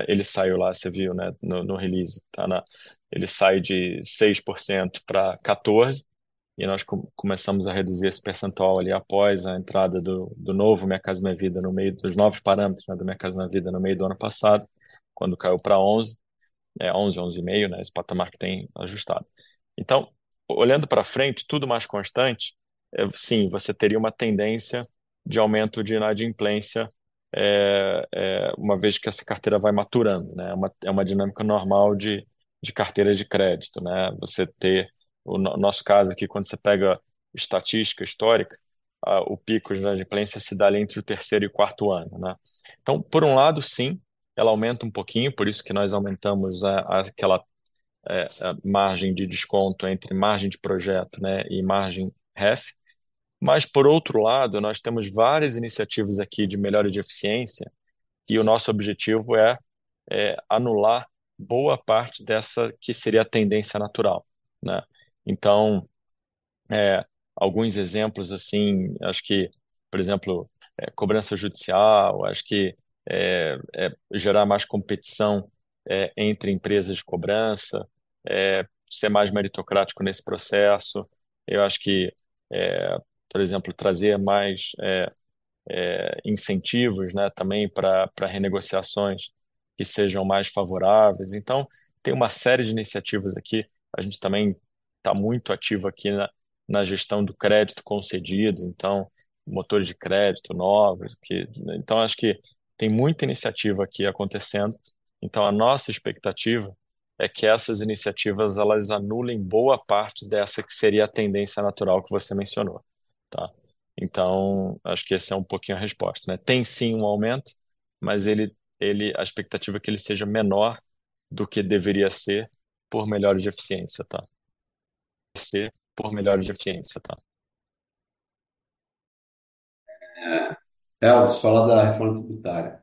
Ele saiu lá, cê viu, né, no release, tá na, ele sai de 6% pra 14% e nós começamos a reduzir esse percentual ali após a entrada do novo Minha Casa, Minha Vida no meio dos novos parâmetros, né, do Minha Casa, Minha Vida no meio do ano passado, quando caiu pra 11%, 11.5%, né, esse patamar que tem ajustado. Olhando pra frente, tudo mais constante, você teria uma tendência de aumento de inadimplência, uma vez que essa carteira vai maturando, né? É uma dinâmica normal de carteira de crédito, né? No nosso caso aqui, quando você pega estatística histórica, o pico de inadimplência se dá ali entre o terceiro e o quarto ano, né? Por um lado, sim, ela aumenta um pouquinho, por isso que nós aumentamos aquela margem de desconto entre margem de projeto, né, e margem REF. Mas por outro lado, nós temos várias iniciativas aqui de melhora de eficiência e o nosso objetivo é anular boa parte dessa, que seria a tendência natural, né? Alguns exemplos assim, acho que, por exemplo, cobrança judicial, acho que, gerar mais competição, entre empresas de cobrança, ser mais meritocrático nesse processo. Eu acho que, por exemplo, trazer mais, incentivos, né, também pra renegociações que sejam mais favoráveis. Tem uma série de iniciativas aqui. A gente também tá muito ativo aqui na gestão do crédito concedido, então motores de crédito novos, que, né. Acho que tem muita iniciativa aqui acontecendo. A nossa expectativa é que essas iniciativas, elas anulem boa parte dessa, que seria a tendência natural que você mencionou, tá. Acho que essa é um pouquinho a resposta, né. Tem, sim, um aumento, mas ele, a expectativa é que ele seja menor do que deveria ser por melhora de eficiência, tá. Por melhora de eficiência, tá. Elvis, só lá da reforma tributária.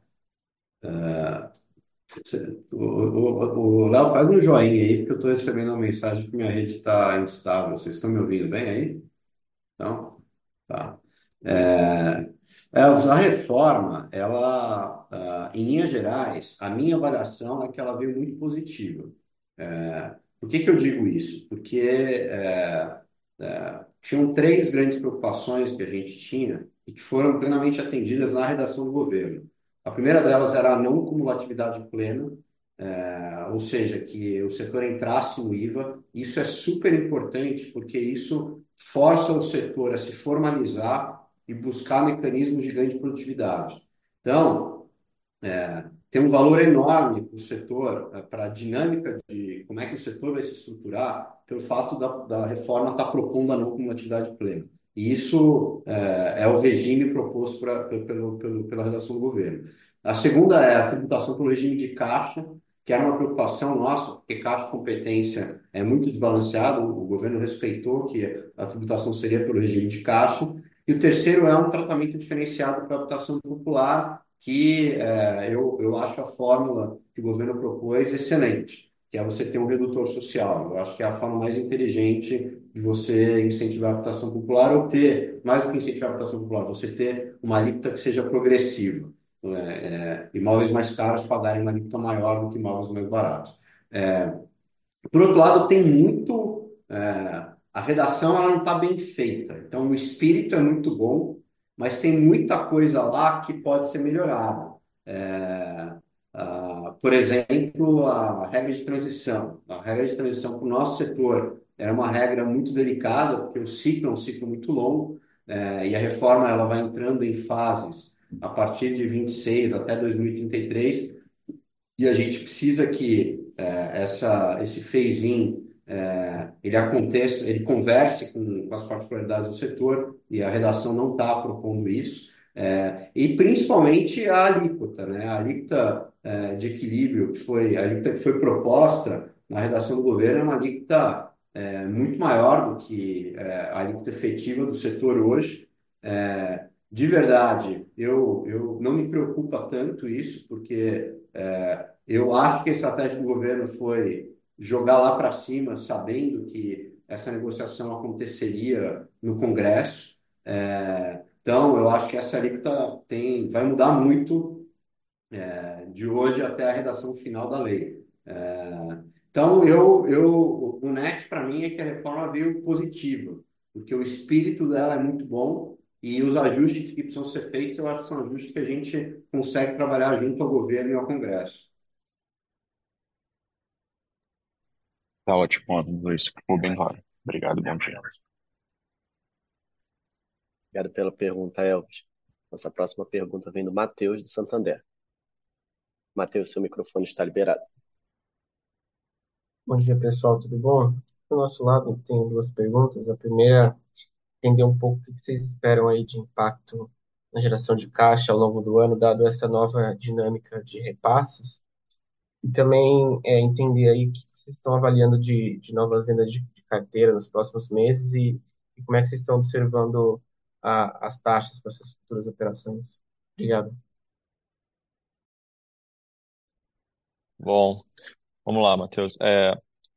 Léo, faz um joinha aí, porque eu tô recebendo uma mensagem que minha rede tá instável. Cês tão me ouvindo bem aí? Não? Tá. A reforma, em linhas gerais, a minha avaliação é que ela veio muito positiva. Por que eu digo isso? Porque, tinham três grandes preocupações que a gente tinha e que foram plenamente atendidas na redação do governo. A primeira delas era a não cumulatividade plena, ou seja, que o setor entrasse no IVA. Isso é superimportante, porque isso força o setor a se formalizar e buscar mecanismos de grande produtividade. Então, tem um valor enorme pro setor, pra dinâmica de como é que o setor vai se estruturar, pelo fato da reforma tá propondo a não cumulatividade plena. Isso é o regime proposto pela redação do governo. A segunda é a tributação por regime de caixa, que é uma preocupação nossa, porque caixa e competência é muito desbalanceado. O governo respeitou que a tributação seria por regime de caixa. O terceiro é um tratamento diferenciado pra habitação popular, que eu acho a fórmula que o governo propôs excelente, que é você ter um redutor social. Eu acho que é a forma mais inteligente de você incentivar a habitação popular ou ter, mais do que incentivar a habitação popular, você ter uma alíquota que seja progressiva, né? E imóveis mais caros pagarem uma alíquota maior do que imóveis mais baratos. Por outro lado, tem muito, a redação ela não tá bem feita. O espírito é muito bom, mas tem muita coisa lá que pode ser melhorada. Por exemplo, a regra de transição. A regra de transição pro nosso setor é uma regra muito delicada, porque o ciclo é um ciclo muito longo, e a reforma ela vai entrando em fases a partir de 2026 até 2033. A gente precisa que esse phase-in ele aconteça, ele converse com as particularidades do setor e a redação não tá propondo isso. Principalmente a alíquota, né? A alíquota de equilíbrio que foi proposta na redação do governo é uma alíquota muito maior do que a alíquota efetiva do setor hoje. De verdade, eu não me preocupa tanto isso, porque eu acho que a estratégia do governo foi jogar lá pra cima sabendo que essa negociação aconteceria no Congresso. Eu acho que essa alíquota vai mudar muito de hoje até a redação final da lei. O net pra mim é que a reforma veio positiva, porque o espírito dela é muito bom e os ajustes que precisam ser feitos, eu acho que são ajustes que a gente consegue trabalhar junto ao governo e ao Congresso. Tá ótimo, vamos a isso. Tudo bem, vale. Obrigado, bom dia. Obrigado pela pergunta, Elvis. Nossa próxima pergunta vem do Mateus, do Santander. Mateus, seu microfone está liberado. Bom dia, pessoal. Tudo bom? Do nosso lado, tenho duas perguntas. A primeira, entender um pouco o que cês esperam aí de impacto na geração de caixa ao longo do ano, dado esta nova dinâmica de repasses. Também, entender aí o que cês tão avaliando de novas vendas de carteira nos próximos meses e como cês tão observando as taxas pra essas futuras operações. Obrigado. Bom, vamos lá, Mateus.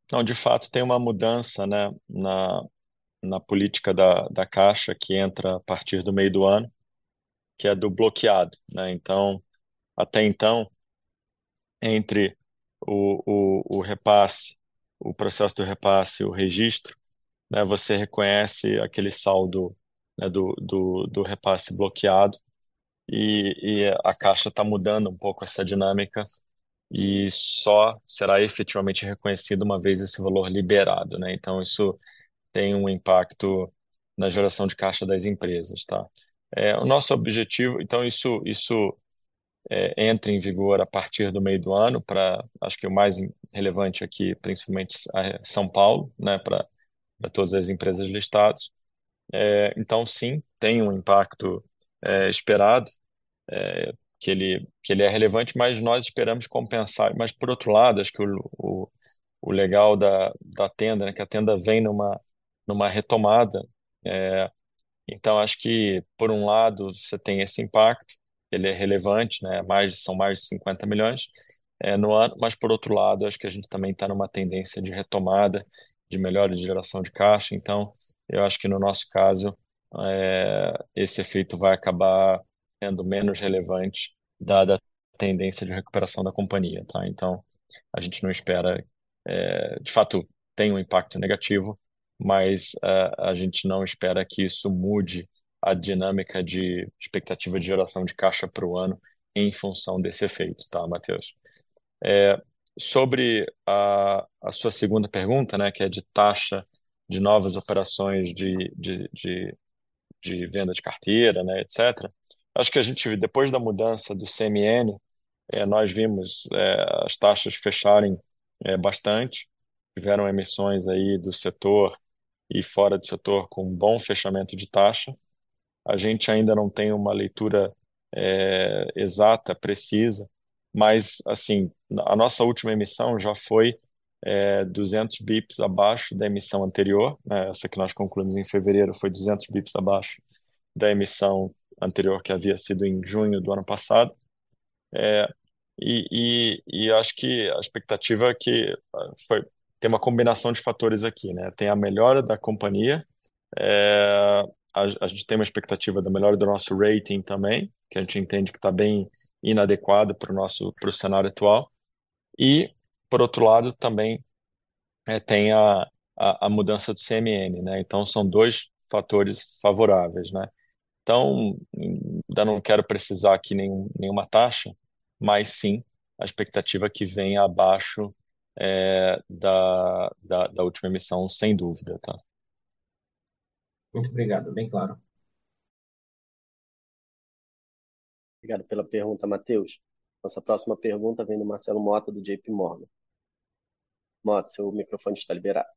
Então, de fato, tem uma mudança na política da Caixa, que entra a partir do meio do ano, que é do bloqueado. Então, até então, entre o repasse, o processo do repasse e o registro, você reconhece aquele saldo do repasse bloqueado e a Caixa tá mudando um pouco essa dinâmica e só será efetivamente reconhecido uma vez esse valor liberado. Então isso tem um impacto na geração de caixa das empresas. Entra em vigor a partir do meio do ano para, acho que o mais relevante aqui, principalmente São Paulo, para todas as empresas listadas. Então sim, tem um impacto esperado que ele é relevante, mas nós esperamos compensar. Por outro lado, acho que o legal da Tenda, né, que a Tenda vem numa retomada, então acho que, por um lado, cê tem esse impacto, ele é relevante, né, mais, são mais de 50 milhões no ano, mas por outro lado, acho que a gente também tá numa tendência de retomada, de melhora de geração de caixa. Eu acho que no nosso caso, esse efeito vai acabar sendo menos relevante dada a tendência de recuperação da companhia, tá? A gente não espera de fato tem um impacto negativo, mas a gente não espera que isso mude a dinâmica de expectativa de geração de caixa pro ano em função desse efeito, tá, Mateus? Sobre a sua segunda pergunta, né, que é de taxa de novas operações de venda de carteira, né, etc. Acho que a gente, depois da mudança do CMN, nós vimos as taxas fecharem bastante. Tiveram emissões aí do setor e fora do setor com bom fechamento de taxa. A gente ainda não tem uma leitura exata, precisa, mas assim, a nossa última emissão já foi 200 bps abaixo da emissão anterior, né, essa que nós concluímos em fevereiro foi 200 bps abaixo da emissão anterior, que havia sido em junho do ano passado. Acho que a expectativa é que tem uma combinação de fatores aqui, né? Tem a melhora da companhia. A gente tem uma expectativa da melhora do nosso rating também, que a gente entende que tá bem inadequado pro nosso, pro cenário atual. Por outro lado, também, tem a mudança do CMN, né? Então são dois fatores favoráveis, né? Ainda não quero precisar aqui nenhuma taxa, mas sim, a expectativa é que venha abaixo da última emissão, sem dúvida, tá? Muito obrigado, bem claro. Obrigado pela pergunta, Mateus. Nossa próxima pergunta vem do Marcelo Motta, do J.P. Morgan. Motta, o seu microfone está liberado.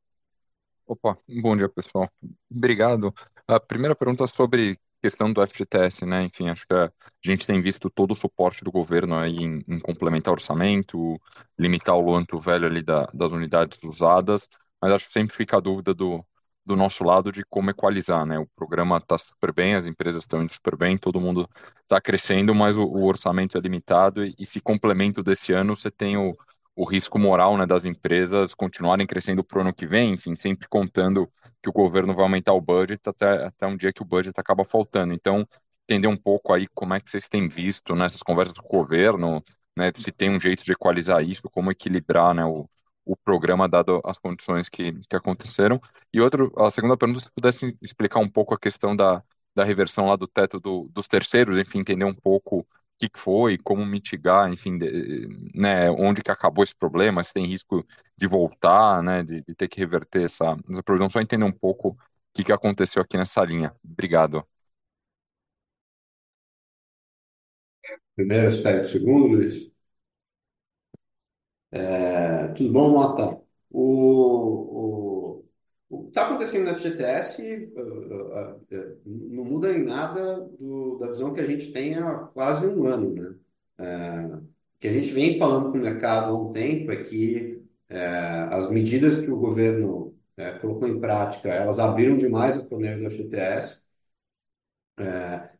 Opa, bom dia, pessoal. Obrigado. A primeira pergunta sobre questão do FGTS, né, enfim, acho que a gente tem visto todo o suporte do governo aí em complementar orçamento, limitar o luanto velho ali da das unidades usadas, mas acho que sempre fica a dúvida do nosso lado de como equalizar, né? O programa tá super bem, as empresas tão indo super bem, todo mundo tá crescendo, mas o orçamento é limitado e esse complemento desse ano, cê tem o risco moral, né, das empresas continuarem crescendo pro ano que vem, enfim, sempre contando que o governo vai aumentar o budget até um dia que o budget acaba faltando. Então, entender um pouco aí como é que cês têm visto nessas conversas com o governo, né, se tem um jeito de equalizar isso, como equilibrar, né, o programa dado as condições que aconteceram. A segunda pergunta, se pudesse explicar um pouco a questão da reversão lá do teto dos terceiros, enfim, entender um pouco o que que foi, como mitigar, enfim, né, onde que acabou esse problema, se tem risco de voltar, né, de ter que reverter essa só entender um pouco o que que aconteceu aqui nessa linha. Obrigado. Primeiro, espera um segundo, Luiz. Tudo bom, Mota? O que tá acontecendo no FGTS não muda em nada da visão que a gente tem há quase um ano, né? O que a gente vem falando pro mercado há um tempo é que as medidas que o governo colocou em prática elas abriram demais a Faixa 1 do FGTS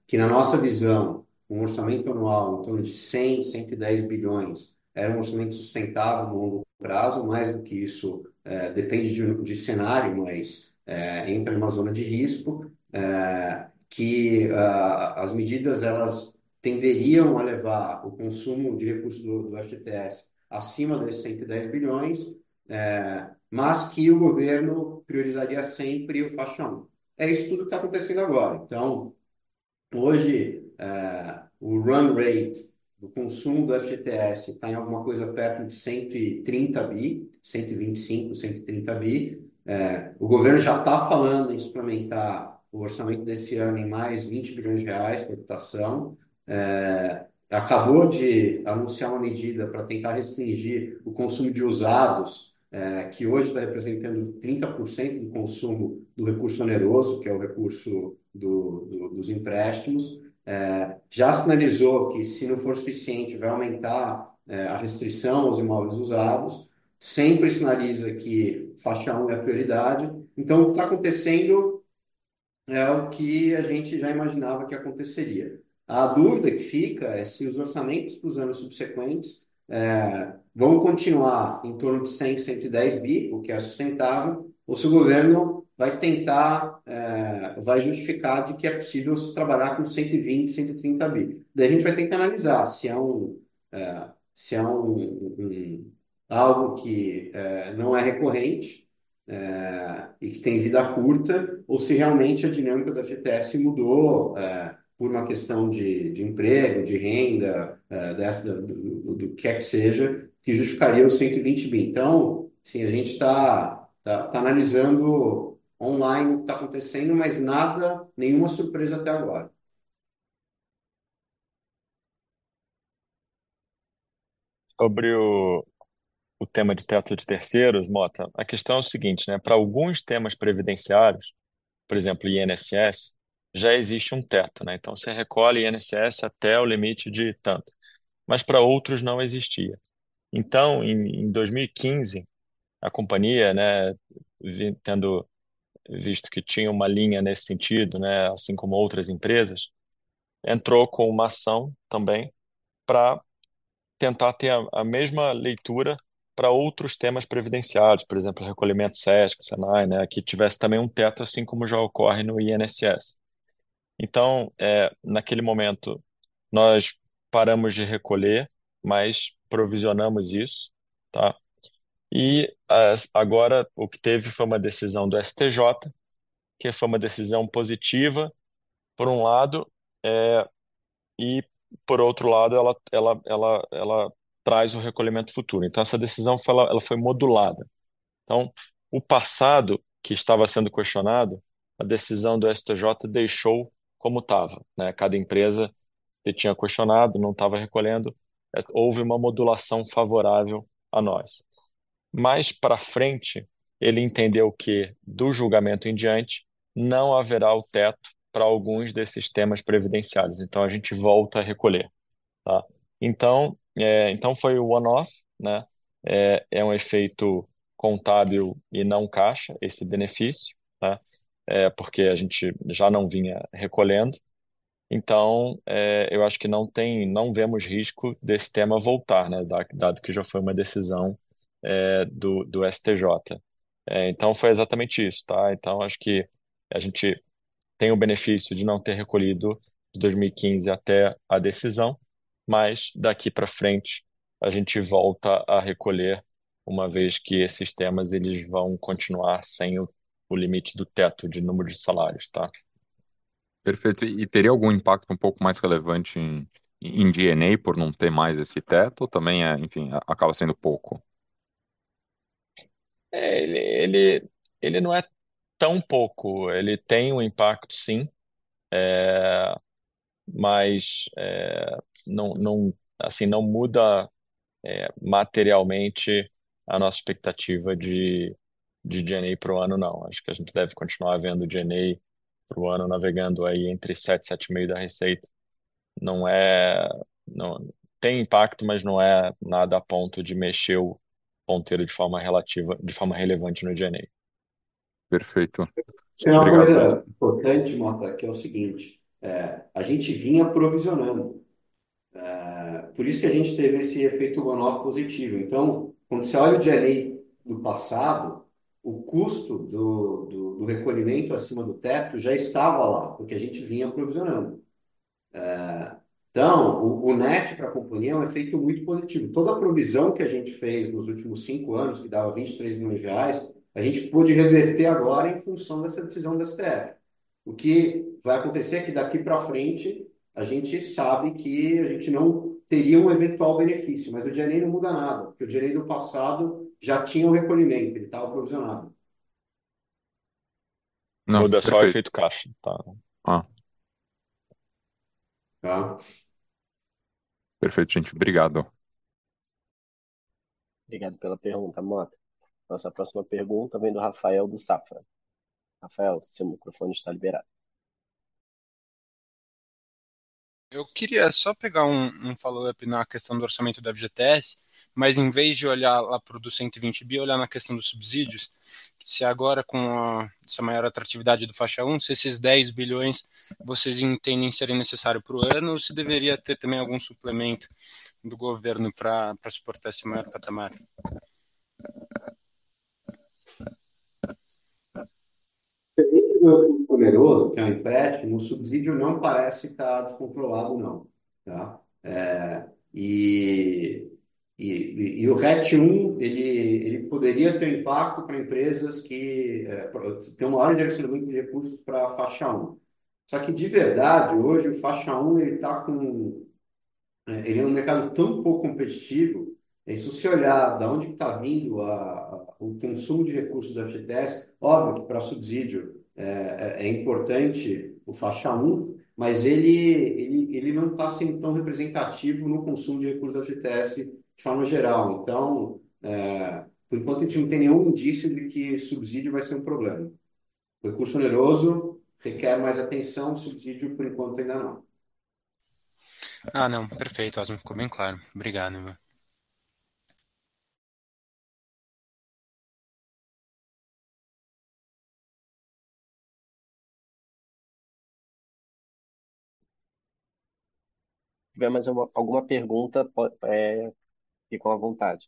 que na nossa visão um orçamento anual em torno de 100 bilhões 110 bilhões era um orçamento sustentável no longo prazo mais do que isso depende de cenário mas entra numa zona de risco. As medidas elas tenderiam a levar o consumo de recursos do FGTS acima desses 110 bilhões mas que o governo priorizaria sempre a Faixa 1. É isso tudo que tá acontecendo agora. Hoje, o run rate do consumo do FGTS tá em alguma coisa perto de 130 bi, 125 bi, 130 bi. O governo já tá falando em experimentar o orçamento desse ano em mais 20 bilhões de reais pra importação. Acabou de anunciar uma medida pra tentar restringir o consumo de usados, que hoje tá representando 30% do consumo do recurso oneroso, que é o recurso dos empréstimos. Já sinalizou que se não for suficiente, vai aumentar a restrição aos imóveis usados. Sempre sinaliza que Faixa 1 é a prioridade. O que tá acontecendo é o que a gente já imaginava que aconteceria. A dúvida que fica é se os orçamentos pros anos subsequentes vão continuar em torno de 100 billion-110 billion, o que é sustentável, ou se o governo vai tentar vai justificar de que é possível se trabalhar com 120 billion-130 billion. A gente vai ter que analisar se é um algo que não é recorrente e que tem vida curta, ou se realmente a dinâmica da FGTS mudou por uma questão de emprego, de renda, dessa do que quer que seja, que justificaria o 120 billion. Sim, a gente tá analisando online o que tá acontecendo, mas nada, nenhuma surpresa até agora. Sobre o tema de teto de terceiros, Mota, a questão é o seguinte, né: pra alguns temas previdenciários, por exemplo, o INSS, já existe um teto, né. Se recolhe INSS até o limite de tanto, mas pra outros não existia. Em 2015, a companhia, né, tendo visto que tinha uma linha nesse sentido, né, assim como outras empresas, entrou com uma ação também pra tentar ter a mesma leitura pra outros temas previdenciários, por exemplo, o recolhimento SESC, SENAI, né, que tivesse também um teto, assim como já ocorre no INSS. Naquele momento nós paramos de recolher, mas provisionamos isso, tá? Agora o que teve foi uma decisão do STJ, que foi uma decisão positiva, por um lado, e por outro lado, ela traz o recolhimento futuro. Essa decisão foi modulada. O passado, que estava sendo questionado, a decisão do STJ deixou como tava, né. Cada empresa que tinha questionado, não tava recolhendo, houve uma modulação favorável a nós. Mais pra frente, ele entendeu que do julgamento em diante, não haverá o teto pra alguns desses temas previdenciários. A gente volta a recolher, tá? Foi o one-off, né, um efeito contábil e não caixa, esse benefício, tá? Porque a gente já não vinha recolhendo. Eu acho que não tem, não vemos risco desse tema voltar, né, dado que já foi uma decisão, do STJ. Foi exatamente isso, tá? Acho que a gente tem o benefício de não ter recolhido de 2015 até a decisão, mas daqui pra frente a gente volta a recolher, uma vez que esses temas eles vão continuar sem o limite do teto de número de salários, tá? Perfeito. Teria algum impacto um pouco mais relevante em G&A por não ter mais esse teto ou também é, enfim, acaba sendo pouco? Ele não é tão pouco. Ele tem um impacto, sim. Não muda materialmente a nossa expectativa de G&A pro ano, não. Acho que a gente deve continuar vendo o G&A pro ano navegando aí entre 7%-7.5% da receita. Tem impacto, mas não é nada a ponto de mexer o ponteiro de forma relativa, de forma relevante no G&A. Perfeito. Obrigado. Tem uma coisa importante, Motta, que é o seguinte: a gente vinha provisionando. Por isso que a gente teve esse efeito one-off positivo. Quando cê olha o G&A do passado, o custo do recolhimento acima do teto já estava lá, porque a gente vinha provisionando. O net pra companhia é um efeito muito positivo. Toda a provisão que a gente fez nos últimos cinco anos, que dava 23 million reais, a gente pôde reverter agora em função dessa decisão do STF. O que vai acontecer é que daqui pra frente, a gente sabe que a gente não teria um eventual benefício, mas o G&A não muda nada, porque o G&A do passado já tinha o recolhimento, ele tava provisionado. Muda só o efeito caixa. Tá. Tá? Perfeito, gente. Obrigado. Obrigado pela pergunta, Motta. Nossa próxima pergunta vem do Rafael, do Safra. Rafael, seu microfone está liberado. Eu queria só pegar um follow-up na questão do orçamento da FGTS, mas em vez de olhar lá pro do 120 bi, olhar na questão dos subsídios, se agora com essa maior atratividade do Faixa 1, se esses 10 bilhões vocês entendem serem necessário pro ano ou se deveria ter também algum suplemento do governo pra suportar esse maior patamar? Perfeito. O recurso oneroso, que é o empréstimo, o subsídio não parece tá descontrolado, não, tá? O RET 1, ele poderia ter impacto pra empresas que têm uma grande necessidade de recursos pra Faixa 1. Só que, de verdade, hoje o Faixa 1, ele tá. Ele é um mercado tão pouco competitivo, e se você olhar da onde que tá vindo o consumo de recursos da FGTS, óbvio que pra subsídio é importante o Faixa 1, mas ele não tá sendo tão representativo no consumo de recursos da FGTS de forma geral. Então, por enquanto, a gente não tem nenhum indício de que subsídio vai ser um problema. Recurso oneroso requer mais atenção, o subsídio, por enquanto, ainda não. Não, perfeito, Osmo, ficou bem claro. Obrigado, Ivan. Se tiver mais alguma pergunta, fique à vontade.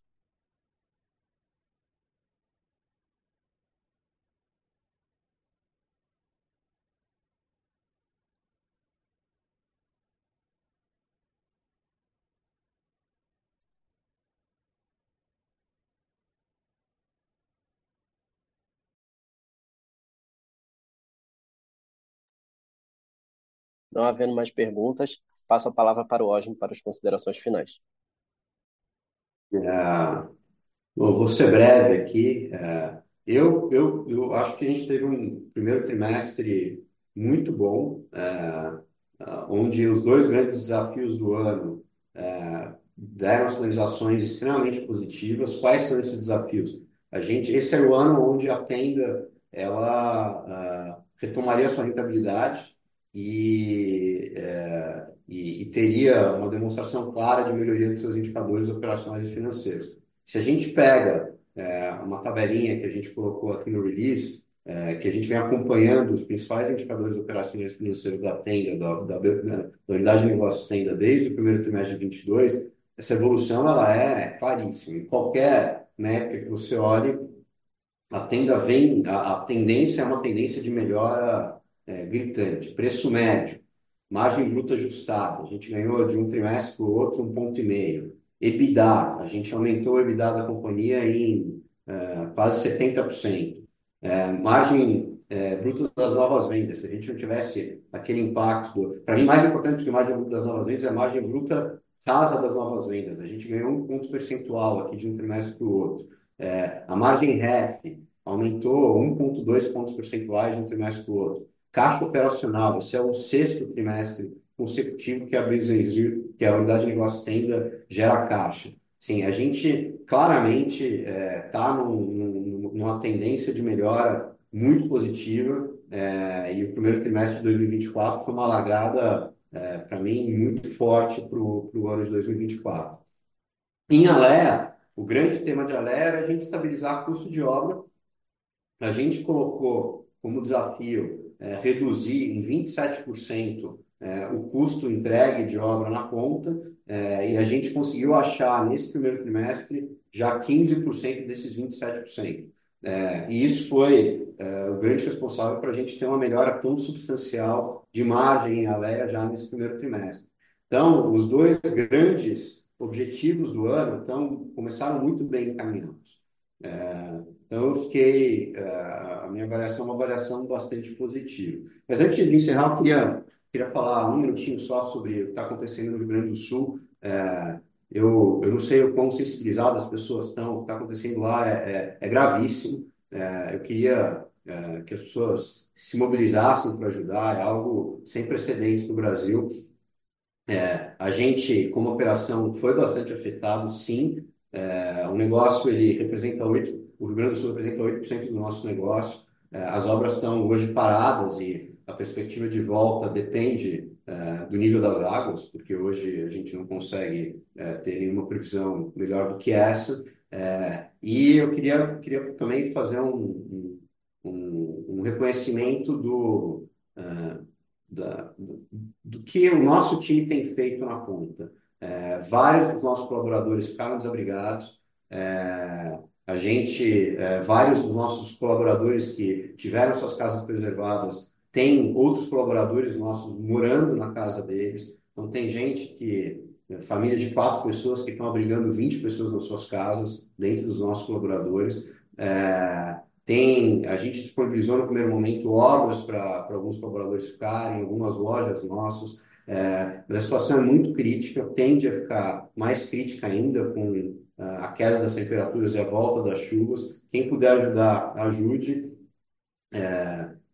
Não havendo mais perguntas, passo a palavra para o Rodrigo Osmo para as considerações finais. Eu vou ser breve aqui. Eu acho que a gente teve um primeiro trimestre muito bom, onde os 2 grandes desafios do ano deram sinalizações extremamente positivas. Quais são esses desafios? Esse era o ano onde a Tenda ela retomaria a sua rentabilidade e teria uma demonstração clara de melhoria dos seus indicadores operacionais e financeiros. Se a gente pega uma tabelinha que a gente colocou aqui no release, que a gente vem acompanhando os principais indicadores operacionais e financeiros da Tenda, da unidade de negócios Tenda, desde o primeiro trimestre de 2022, essa evolução ela é claríssima. Em qualquer métrica que você olhe, a Tenda vem a tendência é uma tendência de melhora gritante. Preço médio, margem bruta ajustável, a gente ganhou de um trimestre pro outro 1.5. EBITDA, a gente aumentou o EBITDA da companhia em quase 70%. Margem bruta das novas vendas, se a gente não tivesse aquele impacto, pra mim, mais importante do que a margem bruta das novas vendas, é a margem bruta casa das novas vendas. A gente ganhou 1 ponto percentual aqui de um trimestre pro outro. A margem REF aumentou 1.2 pontos percentuais de um trimestre pro outro. Caixa operacional, esse é o sexto trimestre consecutivo que a BRZIR, que é a unidade de negócios Tenda, gera caixa. Sim, a gente claramente tá numa tendência de melhora muito positiva, e o primeiro trimestre de 2024 foi uma largada, pra mim, muito forte pro ano de 2024. Em Alea, o grande tema de Alea era a gente estabilizar custo de obra. A gente colocou como desafio reduzir em 27% o custo entregue de obra na conta, e a gente conseguiu achar nesse primeiro trimestre já 15% desses 27%. Isso foi o grande responsável pra gente ter uma melhora tão substancial de margem em Alea já nesse primeiro trimestre. Os dois grandes objetivos do ano começaram muito bem encaminhados. A minha avaliação é uma avaliação bastante positiva. Antes de encerrar, eu queria falar um minutinho só sobre o que tá acontecendo no Rio Grande do Sul. Eu não sei o quão sensibilizadas as pessoas tão, o que tá acontecendo lá é gravíssimo. Eu queria que as pessoas se mobilizassem pra ajudar, algo sem precedentes no Brasil. A gente, como operação, foi bastante afetado, sim. O Rio Grande do Sul representa 8% do nosso negócio. As obras estão hoje paradas e a perspectiva de volta depende do nível das águas, porque hoje a gente não consegue ter nenhuma previsão melhor do que essa. Eu queria também fazer um reconhecimento do que o nosso time tem feito na conta. Vários dos nossos colaboradores ficaram desabrigados. Vários dos nossos colaboradores que tiveram suas casas preservadas têm outros colaboradores nossos morando na casa deles. Então tem gente que famílias de 4 pessoas que estão abrigando 20 pessoas nas suas casas, dentro dos nossos colaboradores. A gente disponibilizou no primeiro momento obras pra alguns colaboradores ficarem, algumas lojas nossas. A situação é muito crítica, tende a ficar mais crítica ainda com a queda das temperaturas e a volta das chuvas. Quem puder ajudar, ajude.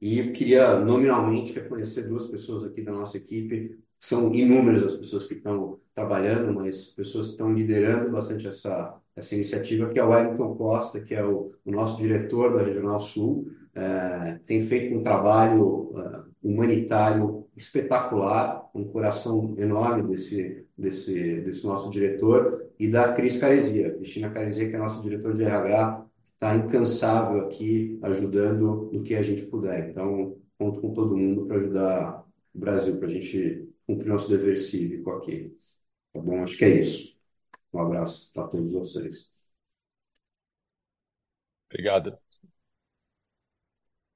Eu queria nominalmente reconhecer duas pessoas aqui da nossa equipe. São inúmeras as pessoas que tão trabalhando, mas pessoas que tão liderando bastante essa iniciativa, que é o Wellington Costa, que é o nosso diretor da Regional Sul. Tem feito um trabalho humanitário espetacular, um coração enorme desse nosso diretor, e da Cris Caresia, Cristina Caresia, que é nossa diretora de RH, que tá incansável aqui ajudando no que a gente puder. Então conto com todo mundo pra ajudar o Brasil, pra gente cumprir nosso dever cívico aqui. Tá bom? Acho que é isso. Um abraço pra todos vocês. Obrigado.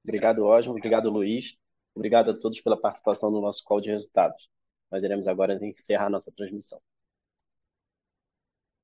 Obrigado, Osmo. Obrigado, Luiz. Obrigado a todos pela participação no nosso call de resultados. Nós iremos agora encerrar nossa transmissão.